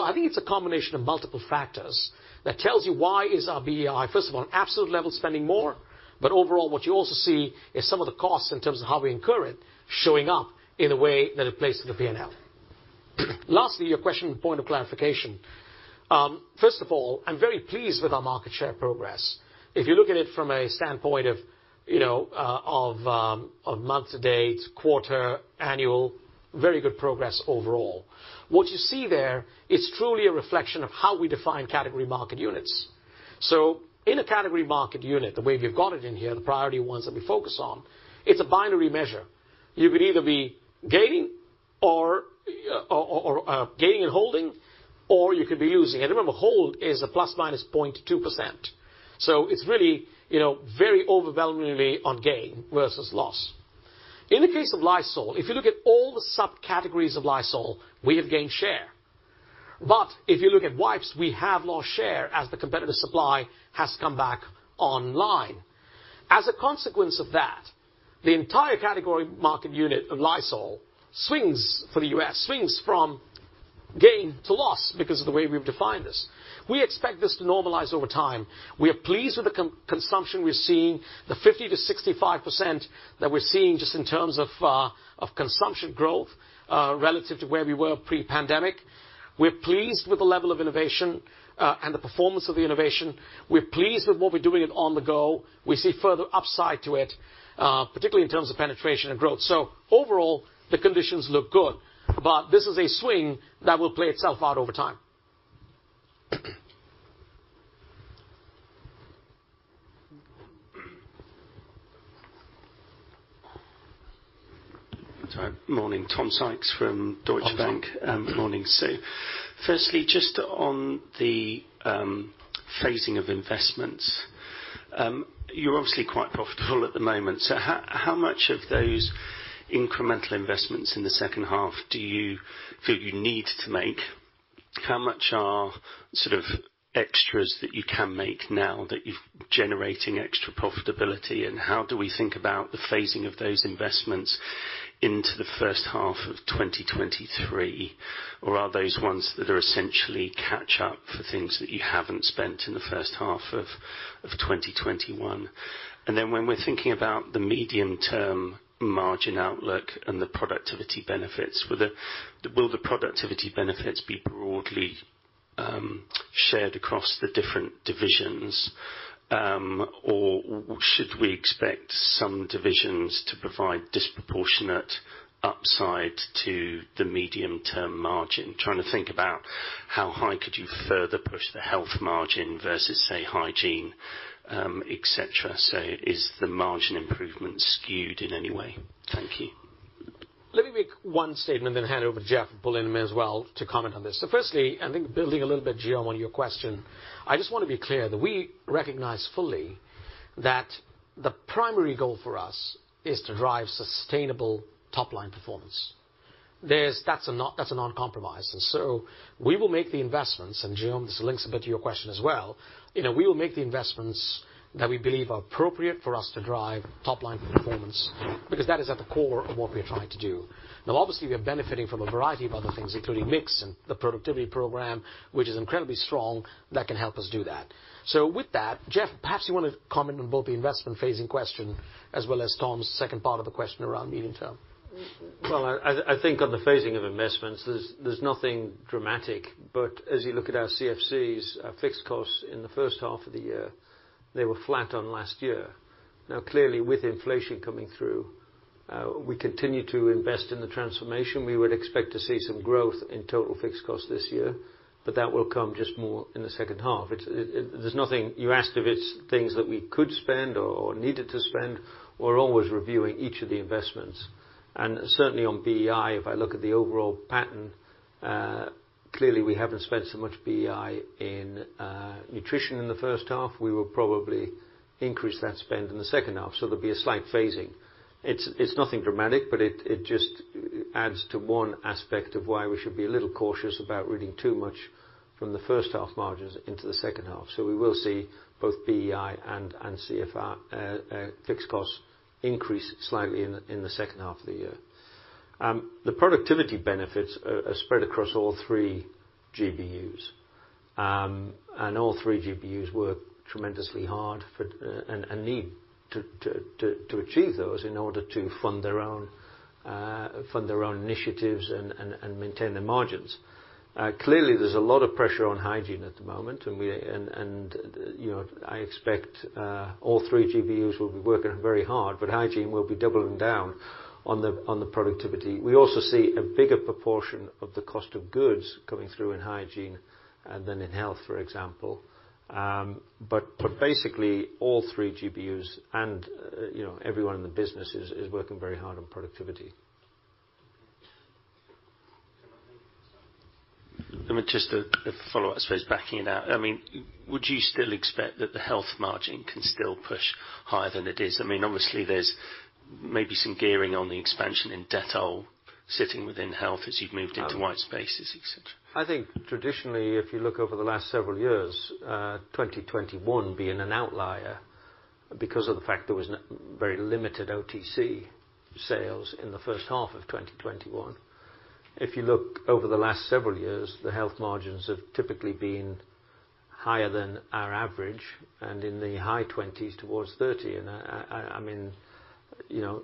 [SPEAKER 2] I think it's a combination of multiple factors that tells you why is our BEI, first of all, on absolute level spending more, but overall, what you also see is some of the costs in terms of how we incur it, showing up in a way that it plays to the P&L. Lastly, your question, point of clarification. First of all, I'm very pleased with our market share progress. If you look at it from a standpoint of, you know, of month-to-date, quarter, annual, very good progress overall. What you see there, it's truly a reflection of how we define category market units. In a category market unit, the way we've got it in here, the priority ones that we focus on, it's a binary measure. You could either be gaining or gaining and holding, or you could be losing. Remember, hold is a +/- 0.2%. It's really, you know, very overwhelmingly on gain versus loss. In the case of Lysol, if you look at all the subcategories of Lysol, we have gained share. If you look at wipes, we have lost share as the competitive supply has come back online. As a consequence of that, the entire category market unit of Lysol swings, for the U.S., from gain to loss because of the way we've defined this. We expect this to normalize over time. We are pleased with the consumption we're seeing, the 50%-65% that we're seeing just in terms of consumption growth relative to where we were pre-pandemic. We're pleased with the level of innovation, and the performance of the innovation. We're pleased with what we're doing at On the Go. We see further upside to it, particularly in terms of penetration and growth. Overall, the conditions look good, but this is a swing that will play itself out over time.
[SPEAKER 5] Sorry. Morning, Tom Sykes from Deutsche Bank.
[SPEAKER 2] Tom.
[SPEAKER 5] Morning. Firstly, just on the phasing of investments, you're obviously quite profitable at the moment. How much of those incremental investments in the second half do you feel you need to make? How much are sort of extras that you can make now that you're generating extra profitability? And how do we think about the phasing of those investments into the first half of 2023? Or are those ones that are essentially catch up for things that you haven't spent in the first half of 2021? And then when we're thinking about the medium-term margin outlook and the productivity benefits, will the productivity benefits be broadly shared across the different divisions? Or should we expect some divisions to provide disproportionate upside to the medium-term margin? Trying to think about how high could you further push the Health margin versus, say, Hygiene, et cetera? Is the margin improvement skewed in any way? Thank you.
[SPEAKER 2] Let me make one statement, then hand over to Jeff Carr as well to comment on this. Firstly, I think building a little bit, Guillaume Delmas, on your question, I just want to be clear that we recognize fully that the primary goal for us is to drive sustainable top-line performance. That's a non-compromise. We will make the investments, and Guillaume Delmas, this links a bit to your question as well, you know, we will make the investments that we believe are appropriate for us to drive top-line performance, because that is at the core of what we are trying to do. Now, obviously, we are benefiting from a variety of other things, including mix and the productivity program, which is incredibly strong, that can help us do that. With that, Jeff, perhaps you want to comment on both the investment phasing question as well as Tom's second part of the question around medium term.
[SPEAKER 3] Well, I think on the phasing of investments, there's nothing dramatic. As you look at our CFCs, our fixed costs in the first half of the year, they were flat on last year. Now, clearly, with inflation coming through, we continue to invest in the transformation. We would expect to see some growth in total fixed costs this year, but that will come just more in the second half. It, there's nothing. You asked if it's things that we could spend or needed to spend. We're always reviewing each of the investments. Certainly on BEI, if I look at the overall pattern, clearly, we haven't spent so much BEI in nutrition in the first half. We will probably increase that spend in the second half. There'll be a slight phasing. It's nothing dramatic, but it just adds to one aspect of why we should be a little cautious about reading too much from the first half margins into the second half. We will see both BEI and CFC fixed costs increase slightly in the second half of the year. The productivity benefits are spread across all three GBUs, and all three GBUs work tremendously hard and need to achieve those in order to fund their own initiatives and maintain their margins. Clearly, there's a lot of pressure on hygiene at the moment, and you know, I expect all three GBUs will be working very hard, but hygiene will be doubling down on the productivity. We also see a bigger proportion of the cost of goods coming through in hygiene than in health, for example. Basically all three GBUs and, you know, everyone in the business is working very hard on productivity.
[SPEAKER 5] I mean, just a follow-up, I suppose, backing it out. I mean, would you still expect that the Health margin can still push higher than it is? I mean, obviously there's maybe some gearing on the expansion in Dettol sitting within Health as you've moved into white spaces, et cetera.
[SPEAKER 3] I think traditionally, if you look over the last several years, 2021 being an outlier because of the fact there was very limited OTC sales in the first half of 2021. If you look over the last several years, the Health margins have typically been higher than our average and in the high 20s% towards 30%. I mean, you know,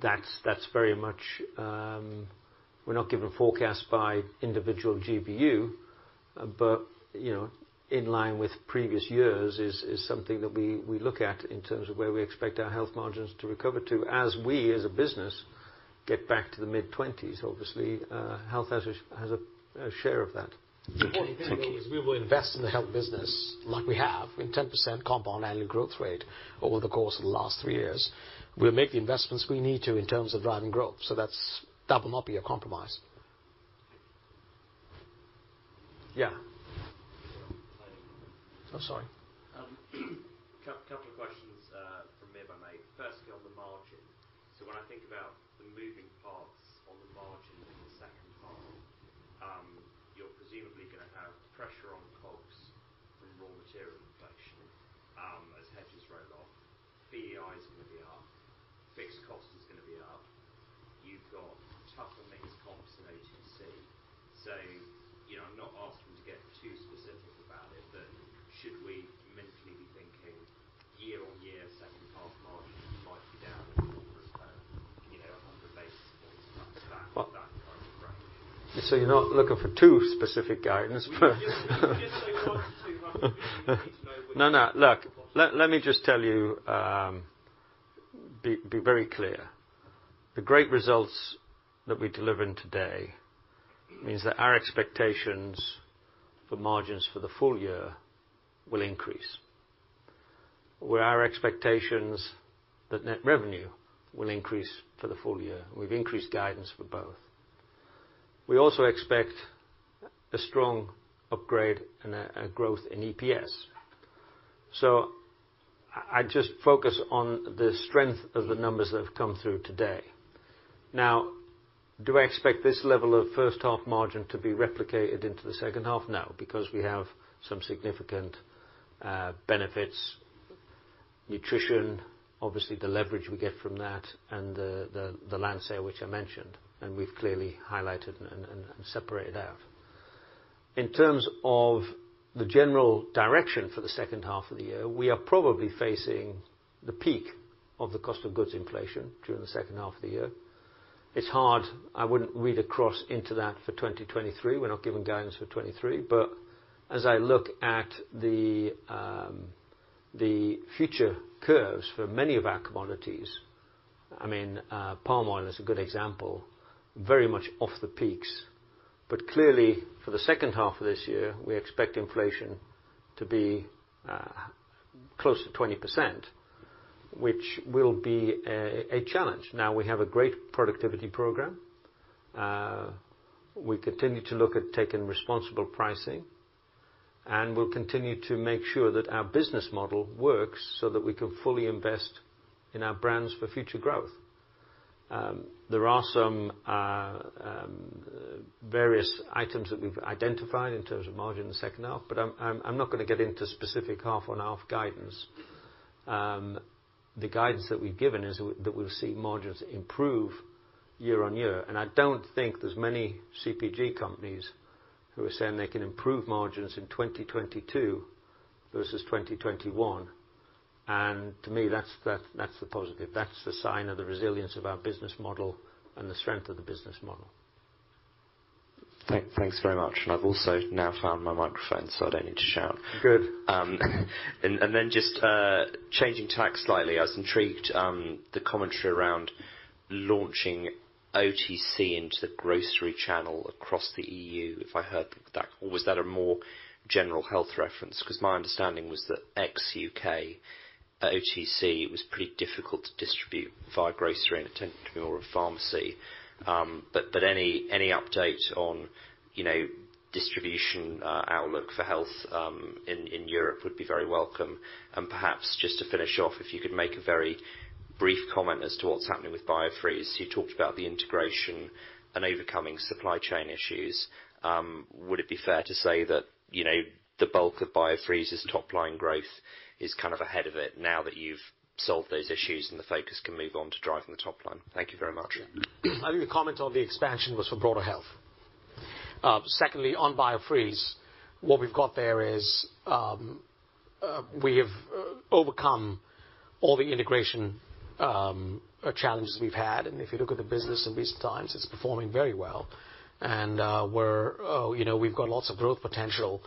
[SPEAKER 3] that's very much. We're not giving a forecast by individual GBU, but, you know, in line with previous years is something that we look at in terms of where we expect our Health margins to recover to. As we as a business get back to the mid-20s%, obviously, Health has a share of that.
[SPEAKER 5] Okay. Thank you.
[SPEAKER 2] The important thing, though, is we will invest in the Health business like we have, with 10% compound annual growth rate over the course of the last three years. We'll make the investments we need to in terms of driving growth, so that's, that will not be a compromise.
[SPEAKER 3] Yeah. I'm sorry.
[SPEAKER 6] Couple of questions from me if I may. Firstly, on the margin. When I think about the moving parts on the margin in the second half, you're presumably gonna have pressure on costs from raw material inflation, as hedges roll off. BEI is gonna be up. Fixed costs are gonna be up. You've got tougher mix comps in OTC. You know, I'm not asking to get too specific about it, but should we mentally be thinking year-on-year second half margins might be down in the order of, you know, 100 basis points, that kind of range?
[SPEAKER 3] You're not looking for too specific guidance? No, no. Look, let me just tell you, be very clear. The great results that we delivered today means that our expectations for margins for the full year will increase. Whereas our expectations that net revenue will increase for the full year, and we've increased guidance for both. We also expect a strong upgrade and a growth in EPS. I just focus on the strength of the numbers that have come through today. Now, do I expect this level of first half margin to be replicated into the second half? No, because we have some significant benefits. Nutrition, obviously the leverage we get from that and the land sale, which I mentioned, and we've clearly highlighted and separated out. In terms of the general direction for the second half of the year, we are probably facing the peak of the cost of goods inflation during the second half of the year. It's hard. I wouldn't read across into that for 2023. We're not giving guidance for 2023. But as I look at the future curves for many of our commodities, I mean, palm oil is a good example, very much off the peaks. But clearly for the second half of this year, we expect inflation to be close to 20%, which will be a challenge. Now, we have a great productivity program. We continue to look at taking responsible pricing, and we'll continue to make sure that our business model works so that we can fully invest in our brands for future growth. There are some various items that we've identified in terms of margin in the second half, but I'm not gonna get into specific half-on-half guidance. The guidance that we've given is that we'll see margins improve year-over-year, and I don't think there's many CPG companies who are saying they can improve margins in 2022 versus 2021. To me, that's the positive. That's the sign of the resilience of our business model and the strength of the business model.
[SPEAKER 6] Thanks very much. I've also now found my microphone, so I don't need to shout.
[SPEAKER 3] Good.
[SPEAKER 6] Just changing tack slightly, I was intrigued the commentary around launching OTC into the grocery channel across the EU, if I heard that. Or was that a more general health reference? 'Cause my understanding was that ex UK, OTC was pretty difficult to distribute via grocery and it tended to be more a pharmacy. Any update on, you know, distribution outlook for Health in Europe would be very welcome. Perhaps just to finish off, if you could make a very brief comment as to what's happening with Biofreeze. You talked about the integration and overcoming supply chain issues. Would it be fair to say that, you know, the bulk of Biofreeze's top-line growth is kind of ahead of it now that you've solved those issues and the focus can move on to driving the top line? Thank you very much.
[SPEAKER 2] I think the comment on the expansion was for broader Health. Secondly, on Biofreeze, what we've got there is we have overcome all the integration challenges we've had. If you look at the business in recent times, it's performing very well. You know, we've got lots of growth potential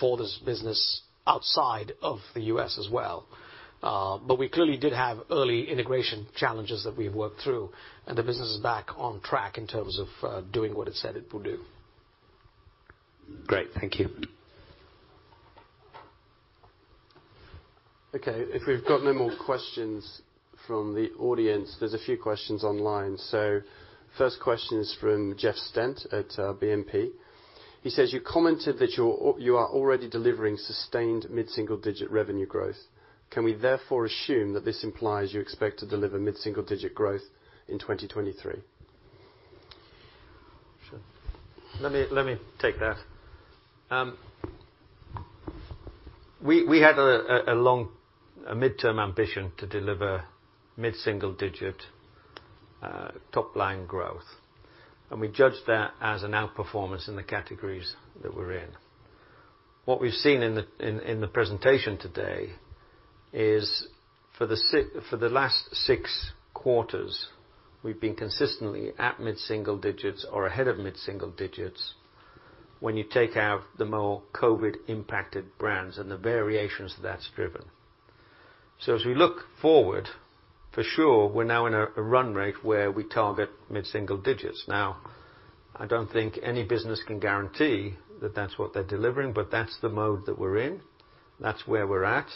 [SPEAKER 2] for this business outside of the U.S. as well. We clearly did have early integration challenges that we've worked through, and the business is back on track in terms of doing what it said it would do.
[SPEAKER 6] Great. Thank you.
[SPEAKER 1] Okay, if we've got no more questions from the audience, there's a few questions online. First question is from Jeff Stent at Exane BNP Paribas. He says, "You commented that you are already delivering sustained mid single digit revenue growth. Can we therefore assume that this implies you expect to deliver mid single digit growth in 2023?
[SPEAKER 3] Sure. Let me take that. We had a long midterm ambition to deliver mid single digit top-line growth, and we judged that as an outperformance in the categories that we're in. What we've seen in the presentation today is for the last six quarters, we've been consistently at mid single digits or ahead of mid single digits when you take out the more COVID-impacted brands and the variations that's driven. As we look forward, for sure, we're now in a run rate where we target mid single digits. Now, I don't think any business can guarantee that that's what they're delivering, but that's the mode that we're in. That's where we're at.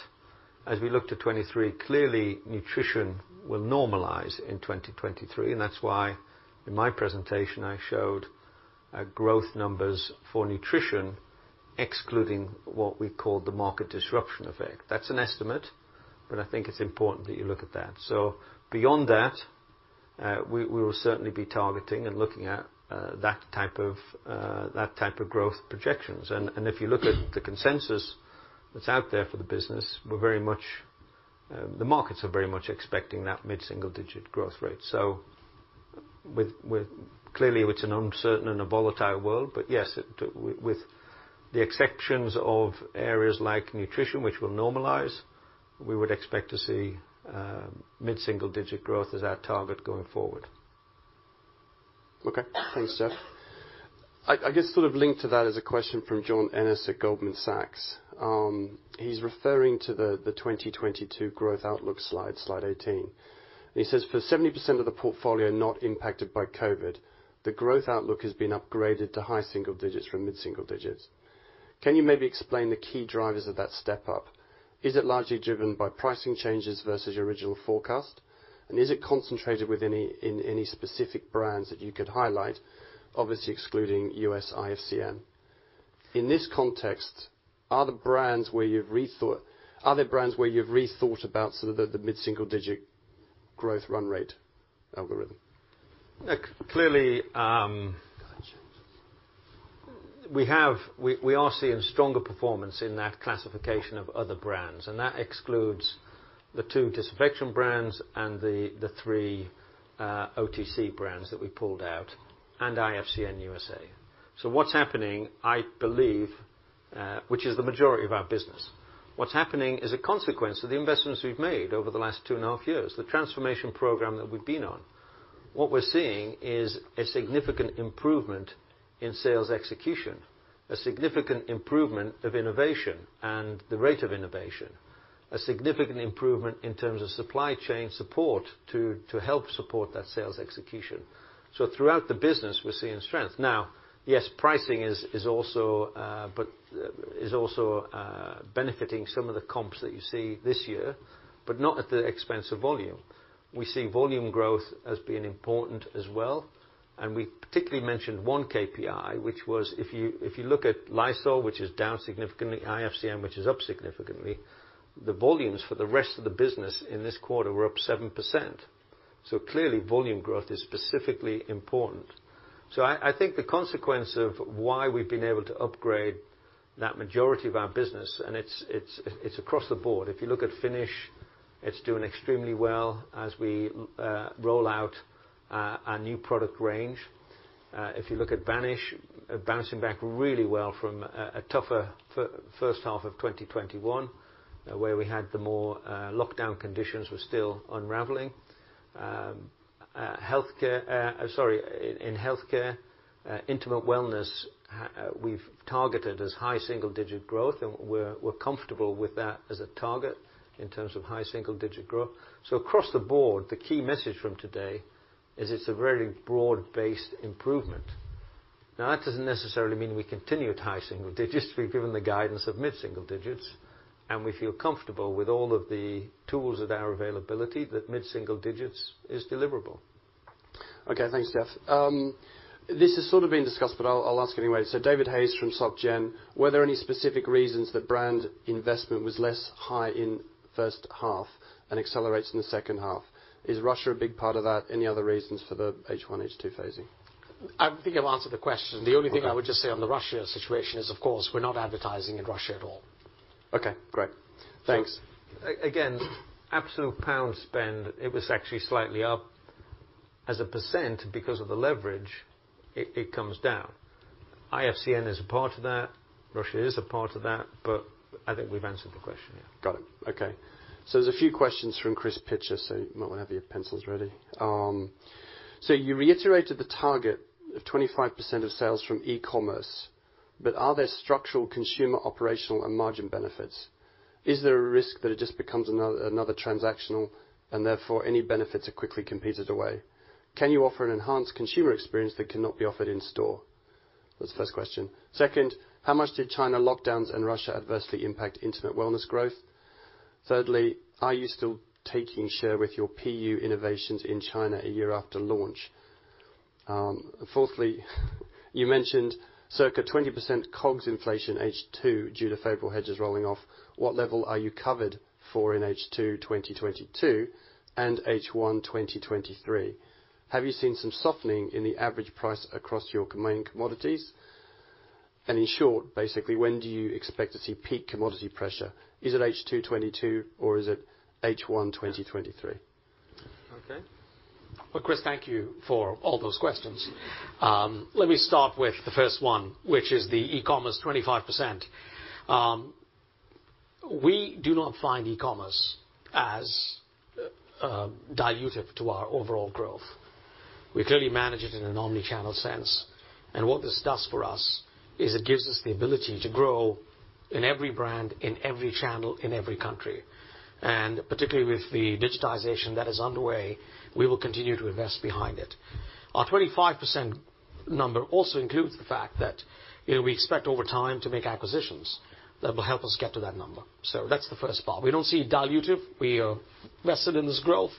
[SPEAKER 3] As we looked at 2023, clearly, nutrition will normalize in 2023, and that's why, in my presentation, I showed growth numbers for nutrition excluding what we call the market disruption effect. That's an estimate, but I think it's important that you look at that. Beyond that, we will certainly be targeting and looking at that type of growth projections. If you look at the consensus that's out there for the business, we're very much, the markets are very much expecting that mid single digit growth rate. Clearly, it's an uncertain and a volatile world, but yes, with the exceptions of areas like nutrition, which will normalize, we would expect to see mid single digit growth as our target going forward.
[SPEAKER 1] Okay. Thanks, Jeff. I guess sort of linked to that is a question from John Ennis at Goldman Sachs. He's referring to the 2022 growth outlook slide 18. He says, "For 70% of the portfolio not impacted by COVID, the growth outlook has been upgraded to high single digits from mid single digits. Can you maybe explain the key drivers of that step up? Is it largely driven by pricing changes versus your original forecast? Is it concentrated in any specific brands that you could highlight, obviously excluding US IFCN? In this context, are there brands where you've rethought about sort of the mid single digit growth run rate algorithm?
[SPEAKER 3] Clearly, we are seeing stronger performance in that classification of other brands, and that excludes the two disinfection brands and the three OTC brands that we pulled out, and IFCN USA. What's happening, I believe, which is the majority of our business. What's happening is a consequence of the investments we've made over the last two and a half years, the transformation program that we've been on. What we're seeing is a significant improvement in sales execution, a significant improvement of innovation and the rate of innovation, a significant improvement in terms of supply chain support to help support that sales execution. Throughout the business, we're seeing strength. Now, yes, pricing is also benefiting some of the comps that you see this year, but not at the expense of volume. We see volume growth as being important as well, and we particularly mentioned one KPI, which was if you look at Lysol, which is down significantly, IFCN, which is up significantly, the volumes for the rest of the business in this quarter were up 7%. Clearly, volume growth is specifically important. I think the consequence of why we've been able to upgrade that majority of our business, and it's across the board. If you look at Finish, it's doing extremely well as we roll out our new product range. If you look at Vanish, bouncing back really well from a tougher first half of 2021, where we had more lockdown conditions were still unraveling. Healthcare, sorry. In healthcare, intimate wellness, we've targeted high single digit growth, and we're comfortable with that as a target in terms of high single digit growth. Across the board, the key message from today is it's a very broad-based improvement. Now, that doesn't necessarily mean we continue at high single digits. We've given the guidance of mid single digits, and we feel comfortable with all of the tools at our disposal that mid single digits is deliverable.
[SPEAKER 1] Okay. Thanks, Jeff. This has sort of been discussed, but I'll ask anyway. David Hayes from Société Générale. Were there any specific reasons that brand investment was less high in first half and accelerates in the second half? Is Russia a big part of that? Any other reasons for the H1, H2 phasing?
[SPEAKER 2] I think I've answered the question.
[SPEAKER 1] Okay.
[SPEAKER 2] The only thing I would just say on the Russia situation is, of course, we're not advertising in Russia at all.
[SPEAKER 1] Okay, great. Thanks.
[SPEAKER 3] Again, absolute pound spend, it was actually slightly up. As a percent, because of the leverage, it comes down. IFCN is a part of that. Russia is a part of that, but I think we've answered the question, yeah.
[SPEAKER 1] Got it. Okay. There's a few questions from Chris Pitcher, so might wanna have your pencils ready. You reiterated the target of 25% of sales from e-commerce, but are there structural consumer operational and margin benefits? Is there a risk that it just becomes another transactional, and therefore any benefits are quickly competed away? Can you offer an enhanced consumer experience that cannot be offered in-store? That's the first question. Second, how much did China lockdowns and Russia adversely impact intimate wellness growth? Thirdly, are you still taking share with your PU innovations in China a year after launch? Fourthly, you mentioned circa 20% COGS inflation H2 due to favorable hedges rolling off. What level are you covered for in H2 2022 and H1 2023? Have you seen some softening in the average price across your main commodities? In short, basically, when do you expect to see peak commodity pressure? Is it H2 2022 or is it H1 2023?
[SPEAKER 2] Okay. Well, Chris, thank you for all those questions. Let me start with the first one, which is the e-commerce 25%. We do not find e-commerce as dilutive to our overall growth. We clearly manage it in an omni-channel sense, and what this does for us is it gives us the ability to grow in every brand, in every channel, in every country. Particularly with the digitization that is underway, we will continue to invest behind it. Our 25% number also includes the fact that, you know, we expect over time to make acquisitions that will help us get to that number. That's the first part. We don't see dilutive. We are invested in this growth,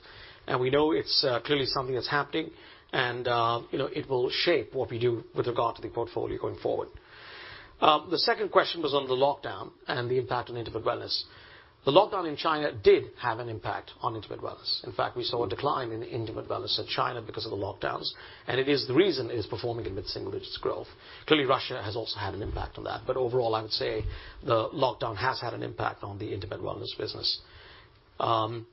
[SPEAKER 2] and we know it's clearly something that's happening, and, you know, it will shape what we do with regard to the portfolio going forward. The second question was on the lockdown and the impact on intimate wellness. The lockdown in China did have an impact on intimate wellness. In fact, we saw a decline in intimate wellness in China because of the lockdowns, and it is the reason it is performing in mid-single-digit growth. Clearly, Russia has also had an impact on that. But overall, I would say the lockdown has had an impact on the intimate wellness business. The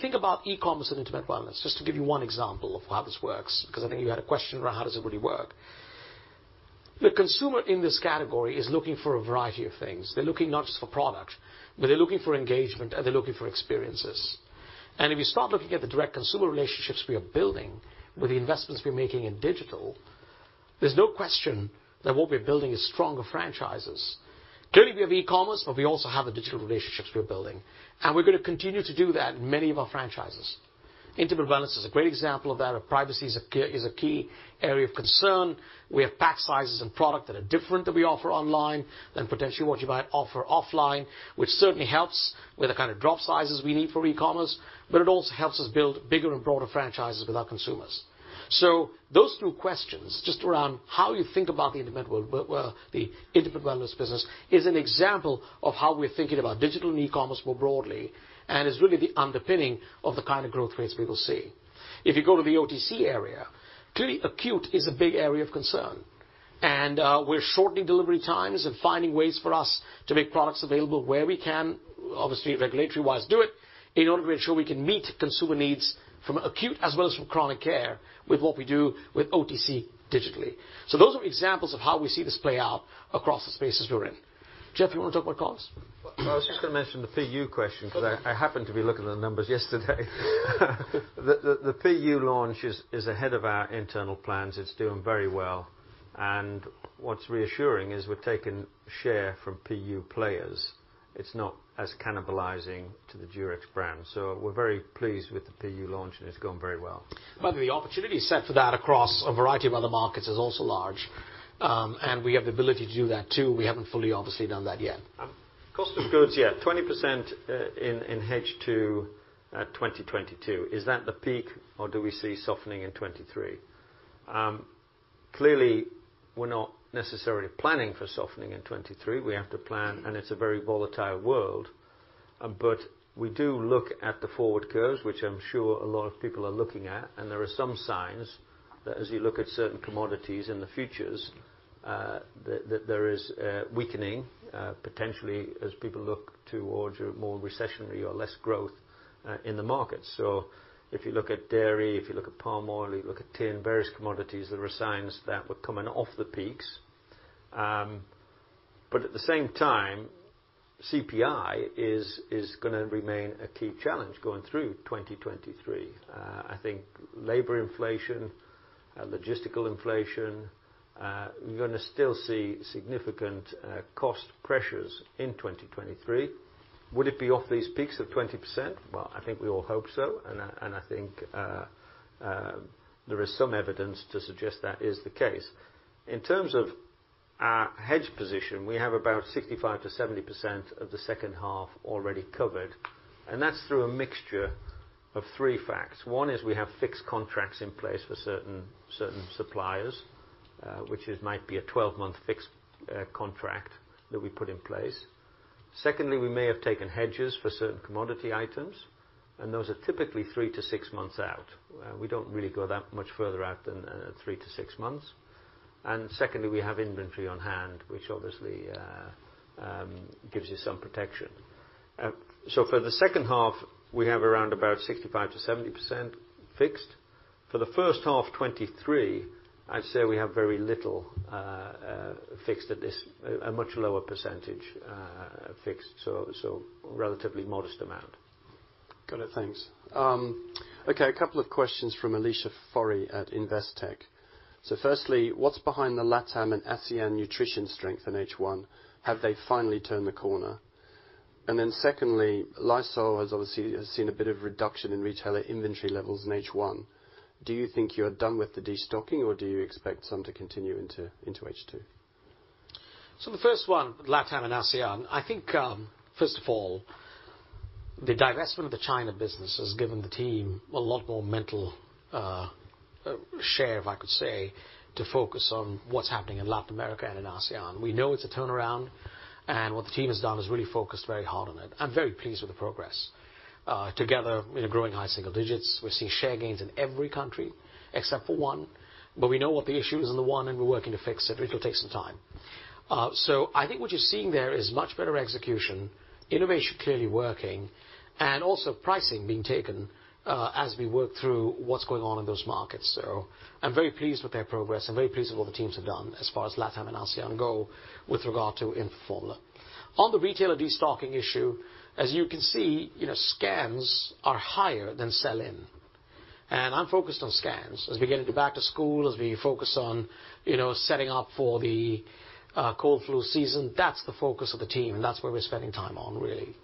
[SPEAKER 2] thing about e-commerce and intimate wellness, just to give you one example of how this works, 'cause I think you had a question around how does it really work. The consumer in this category is looking for a variety of things. They're looking not just for product, but they're looking for engagement, and they're looking for experiences. If you start looking at the direct consumer relationships we are building with the investments we're making in digital, there's no question that what we're building is stronger franchises. Clearly, we have e-commerce, but we also have the digital relationships we're building, and we're gonna continue to do that in many of our franchises. Intimate wellness is a great example of that, where privacy is a key area of concern. We have pack sizes and product that are different that we offer online than potentially what you might offer offline, which certainly helps with the kind of drop sizes we need for e-commerce, but it also helps us build bigger and broader franchises with our consumers. Those two questions just around how you think about the intimate wellness business is an example of how we're thinking about digital and e-commerce more broadly and is really the underpinning of the kind of growth rates we will see. If you go to the OTC area, clearly acute is a big area of concern, and we're shortening delivery times and finding ways for us to make products available where we can, obviously regulatory-wise do it, in order to make sure we can meet consumer needs from acute as well as from chronic care with what we do with OTC digitally. Those are examples of how we see this play out across the spaces we're in. Jeff, you wanna talk about costs?
[SPEAKER 3] Well, I was just gonna mention the PU question because I happened to be looking at the numbers yesterday. The PU launch is ahead of our internal plans. It's doing very well. What's reassuring is we've taken share from PU players. It's not as cannibalizing to the Durex brand. We're very pleased with the PU launch, and it's going very well.
[SPEAKER 2] The opportunity set for that across a variety of other markets is also large, and we have the ability to do that too. We haven't fully obviously done that yet.
[SPEAKER 3] Cost of goods, yeah, 20% in H2 2022. Is that the peak or do we see softening in 2023? Clearly we're not necessarily planning for softening in 2023. We have to plan, and it's a very volatile world, but we do look at the forward curves, which I'm sure a lot of people are looking at, and there are some signs that as you look at certain commodities in the futures, that there is a weakening, potentially as people look towards more recessionary or less growth in the market. If you look at dairy, if you look at palm oil, if you look at tin, various commodities, there are signs that we're coming off the peaks. At the same time, CPI is gonna remain a key challenge going through 2023. I think labor inflation, logistical inflation, we're gonna still see significant cost pressures in 2023. Would it be off these peaks of 20%? Well, I think we all hope so. I think there is some evidence to suggest that is the case. In terms of our hedge position, we have about 65%-70% of the second half already covered, and that's through a mixture of three facts. One is we have fixed contracts in place for certain suppliers, which is, might be a 12-month fixed contract that we put in place. Secondly, we may have taken hedges for certain commodity items, and those are typically 3-6 months out. We don't really go that much further out than 3-6 months. Secondly, we have inventory on hand, which obviously gives you some protection. For the second half, we have around about 65%-70% fixed. For the first half 2023, I'd say we have very little fixed at this, a much lower percentage fixed, so relatively modest amount.
[SPEAKER 1] Got it. Thanks. Okay, a couple of questions from Alicia Forry at Investec. Firstly, what's behind the LATAM and ASEAN nutrition strength in H1? Secondly, Lysol has obviously seen a bit of reduction in retailer inventory levels in H1. Do you think you are done with the destocking, or do you expect some to continue into H2?
[SPEAKER 2] The first one, LATAM and ASEAN, I think, first of all, the divestment of the China business has given the team a lot more mental space, if I could say, to focus on what's happening in Latin America and in ASEAN. We know it's a turnaround, and what the team has done is really focused very hard on it. I'm very pleased with the progress. Together, we're growing high single digits%. We're seeing share gains in every country except for one, but we know what the issue is in the one, and we're working to fix it, but it'll take some time. I think what you're seeing there is much better execution, innovation clearly working, and also pricing being taken, as we work through what's going on in those markets. I'm very pleased with their progress. I'm very pleased with what the teams have done as far as LATAM and ASEAN go with regard to infant formula. On the retailer destocking issue, as you can see, you know, scans are higher than sell-in, and I'm focused on scans. As we get into back to school, as we focus on, you know, setting up for the cold/flu season, that's the focus of the team. That's where we're spending time on really.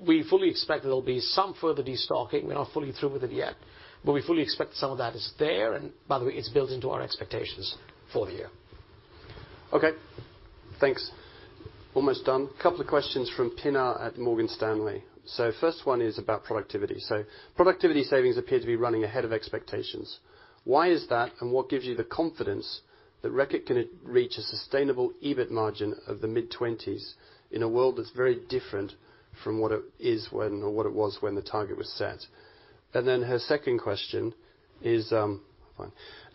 [SPEAKER 2] We fully expect there'll be some further destocking. We're not fully through with it yet, but we fully expect some of that is there, and by the way, it's built into our expectations for the year.
[SPEAKER 1] Okay, thanks. Almost done. Couple of questions from Pinar at Morgan Stanley. First one is about productivity. Productivity savings appear to be running ahead of expectations. Why is that, and what gives you the confidence that Reckitt can reach a sustainable EBIT margin of the mid-20s in a world that's very different from what it was when the target was set? Her second question is,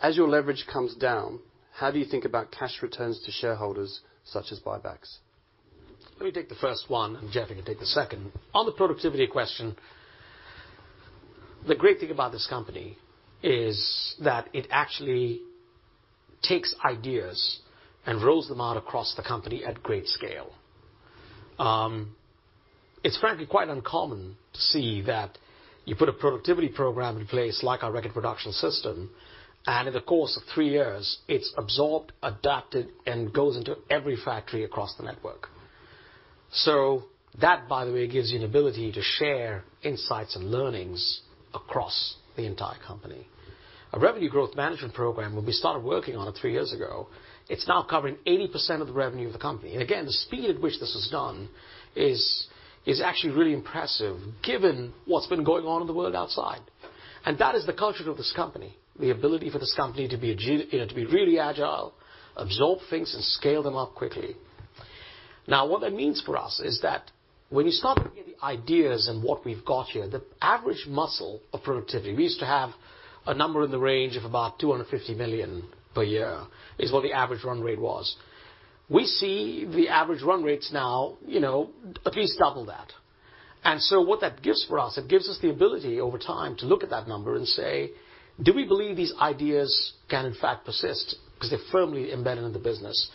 [SPEAKER 1] as your leverage comes down, how do you think about cash returns to shareholders such as buybacks?
[SPEAKER 2] Let me take the first one, and Jeffrey can take the second. On the productivity question, the great thing about this company is that it actually takes ideas and rolls them out across the company at great scale. It's frankly quite uncommon to see that you put a productivity program in place like our Reckitt Production System, and in the course of three years, it's absorbed, adapted, and goes into every factory across the network. That, by the way, gives you an ability to share insights and learnings across the entire company. A revenue growth management program, when we started working on it three years ago, it's now covering 80% of the revenue of the company. Again, the speed at which this is done is actually really impressive given what's been going on in the world outside. That is the culture of this company, the ability for this company to be agile, you know, to be really agile, absorb things, and scale them up quickly. Now, what that means for us is that when you start to get the ideas and what we've got here, the average muscle of productivity, we used to have a number in the range of about 250 million per year is what the average run rate was. We see the average run rates now, you know, at least double that. What that gives for us, it gives us the ability over time to look at that number and say, "Do we believe these ideas can in fact persist?" Because they're firmly embedded in the business,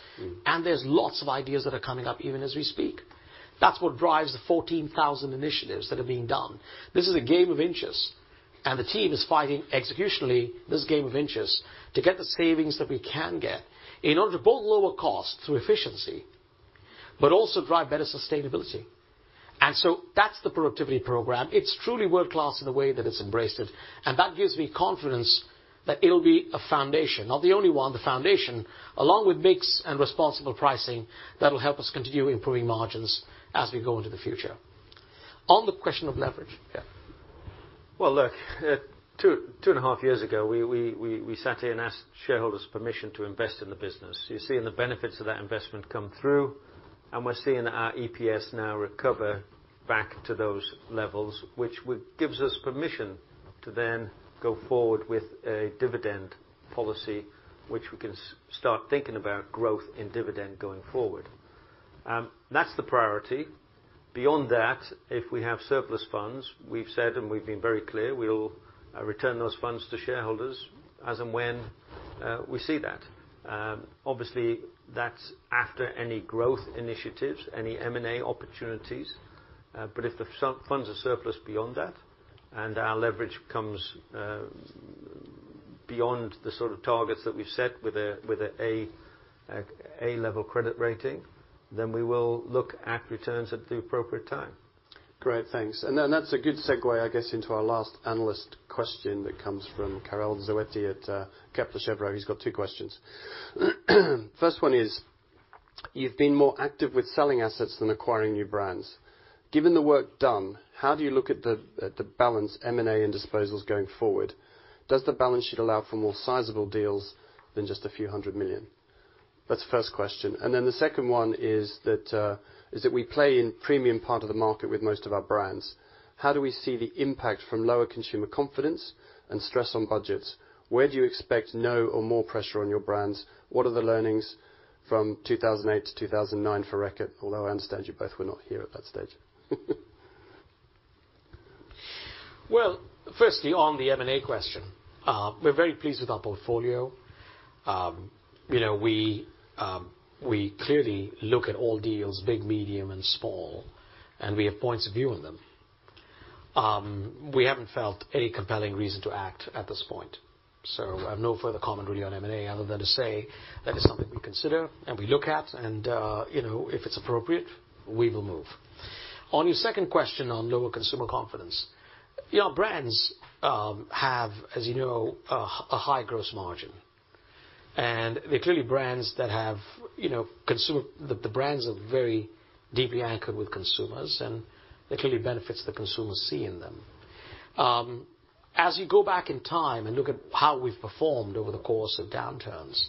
[SPEAKER 2] and there's lots of ideas that are coming up even as we speak. That's what drives the 14,000 initiatives that are being done. This is a game of inches, and the team is fighting executionally this game of inches to get the savings that we can get in order to both lower cost through efficiency but also drive better sustainability. That's the productivity program. It's truly world-class in the way that it's embraced it, and that gives me confidence that it'll be a foundation. Not the only one, the foundation, along with mix and responsible pricing, that'll help us continue improving margins as we go into the future. On the question of leverage, yeah.
[SPEAKER 3] Well, look, two and a half years ago, we sat here and asked shareholders' permission to invest in the business. You're seeing the benefits of that investment come through, and we're seeing our EPS now recover back to those levels, which gives us permission to then go forward with a dividend policy, which we can start thinking about growth in dividend going forward. That's the priority. Beyond that, if we have surplus funds, we've said, and we've been very clear, we'll return those funds to shareholders as and when we see that. Obviously, that's after any growth initiatives, any M&A opportunities. If the funds are surplus beyond that, and our leverage comes beyond the sort of targets that we've set with an A-level credit rating, then we will look at returns at the appropriate time.
[SPEAKER 1] Great, thanks. That's a good segue, I guess, into our last analyst question that comes from Karel Zoete at Kepler Cheuvreux. He's got two questions. First one is, you've been more active with selling assets than acquiring new brands. Given the work done, how do you look at the balance M&A and disposals going forward? Does the balance sheet allow for more sizable deals than just a few hundred million? That's the first question. The second one is that we play in premium part of the market with most of our brands. How do we see the impact from lower consumer confidence and stress on budgets? Where do you expect low or more pressure on your brands? What are the learnings from 2008-2009 for Reckitt? Although I understand you both were not here at that stage.
[SPEAKER 2] Well, firstly, on the M&A question, we're very pleased with our portfolio. You know, we clearly look at all deals, big, medium, and small, and we have points of view on them. We haven't felt any compelling reason to act at this point. I have no further comment really on M&A other than to say that is something we consider and we look at, and you know, if it's appropriate, we will move. On your second question on lower consumer confidence. You know, brands have, as you know, a high gross margin. They're clearly brands that have, you know, the brands are very deeply anchored with consumers, and there are clearly benefits the consumers see in them. As you go back in time and look at how we've performed over the course of downturns,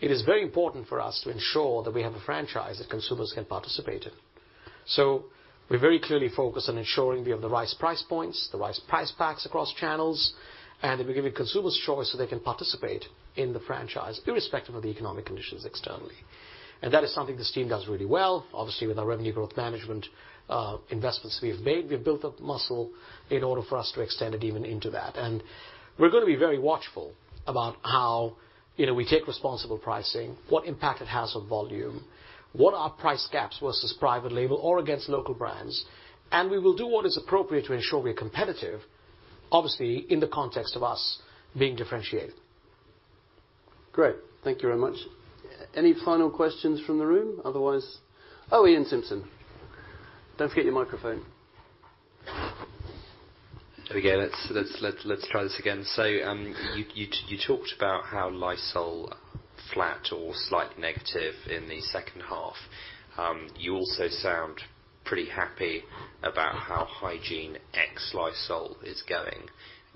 [SPEAKER 2] it is very important for us to ensure that we have a franchise that consumers can participate in. We're very clearly focused on ensuring we have the right price points, the right price packs across channels, and that we're giving consumers choice so they can participate in the franchise irrespective of the economic conditions externally. That is something this team does really well. Obviously, with our revenue growth management, investments we have made, we have built up muscle in order for us to extend it even into that. We're gonna be very watchful about how, you know, we take responsible pricing, what impact it has on volume, what are our price gaps versus private label or against local brands, and we will do what is appropriate to ensure we're competitive, obviously in the context of us being differentiated.
[SPEAKER 1] Great. Thank you very much. Any final questions from the room? Otherwise, oh, Iain Simpson. Don't forget your microphone.
[SPEAKER 6] Okay, let's try this again. You talked about how Lysol flat or slight negative in the second half. You also sound pretty happy about how hygiene ex Lysol is going.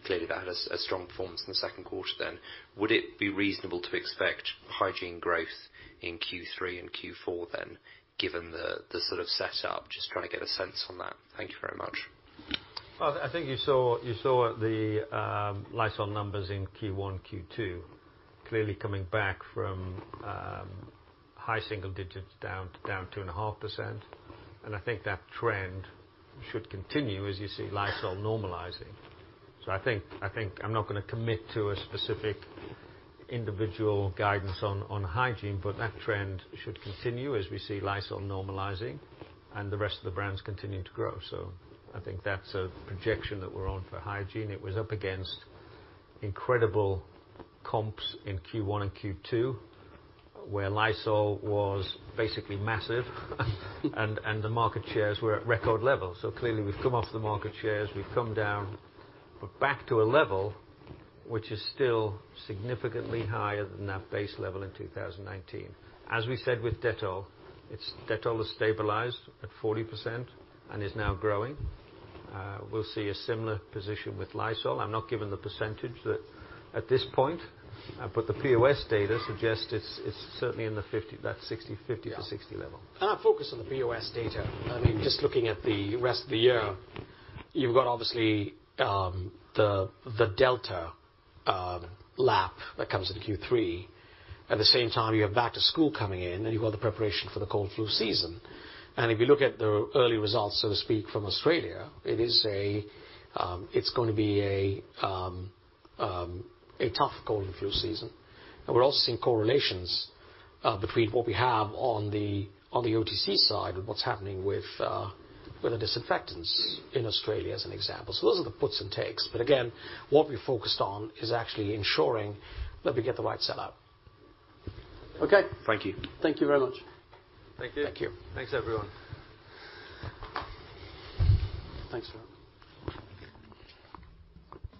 [SPEAKER 6] Clearly, that had a strong performance in the second quarter then. Would it be reasonable to expect hygiene growth in Q3 and Q4 then, given the sort of set up? Just trying to get a sense on that. Thank you very much.
[SPEAKER 3] Well, I think you saw the Lysol numbers in Q1, Q2 clearly coming back from high single digits down to 2.5%, and I think that trend should continue as you see Lysol normalizing. I think I'm not gonna commit to a specific individual guidance on hygiene, but that trend should continue as we see Lysol normalizing and the rest of the brands continuing to grow. I think that's a projection that we're on for hygiene. It was up against incredible comps in Q1 and Q2, where Lysol was basically massive and the market shares were at record levels. Clearly, we've come off the market shares, we've come down. We're back to a level which is still significantly higher than that base level in 2019. As we said with Dettol, it's Dettol has stabilized at 40% and is now growing. We'll see a similar position with Lysol. I'm not giving the percentage at this point, but the POS data suggests it's certainly in the 50%-60% level.
[SPEAKER 2] Yeah. I focus on the POS data. I mean, just looking at the rest of the year, you've got obviously the Delta lap that comes in Q3. At the same time, you have back to school coming in, and you've got the preparation for the cold and flu season. If you look at the early results, so to speak, from Australia, it's gonna be a tough cold and flu season. We're also seeing correlations between what we have on the OTC side with what's happening with the disinfectants in Australia as an example. Those are the puts and takes. What we're focused on is actually ensuring that we get the right sell out. Okay.
[SPEAKER 6] Thank you.
[SPEAKER 3] Thank you very much.
[SPEAKER 1] Thank you.
[SPEAKER 2] Thank you.
[SPEAKER 1] Thanks, everyone.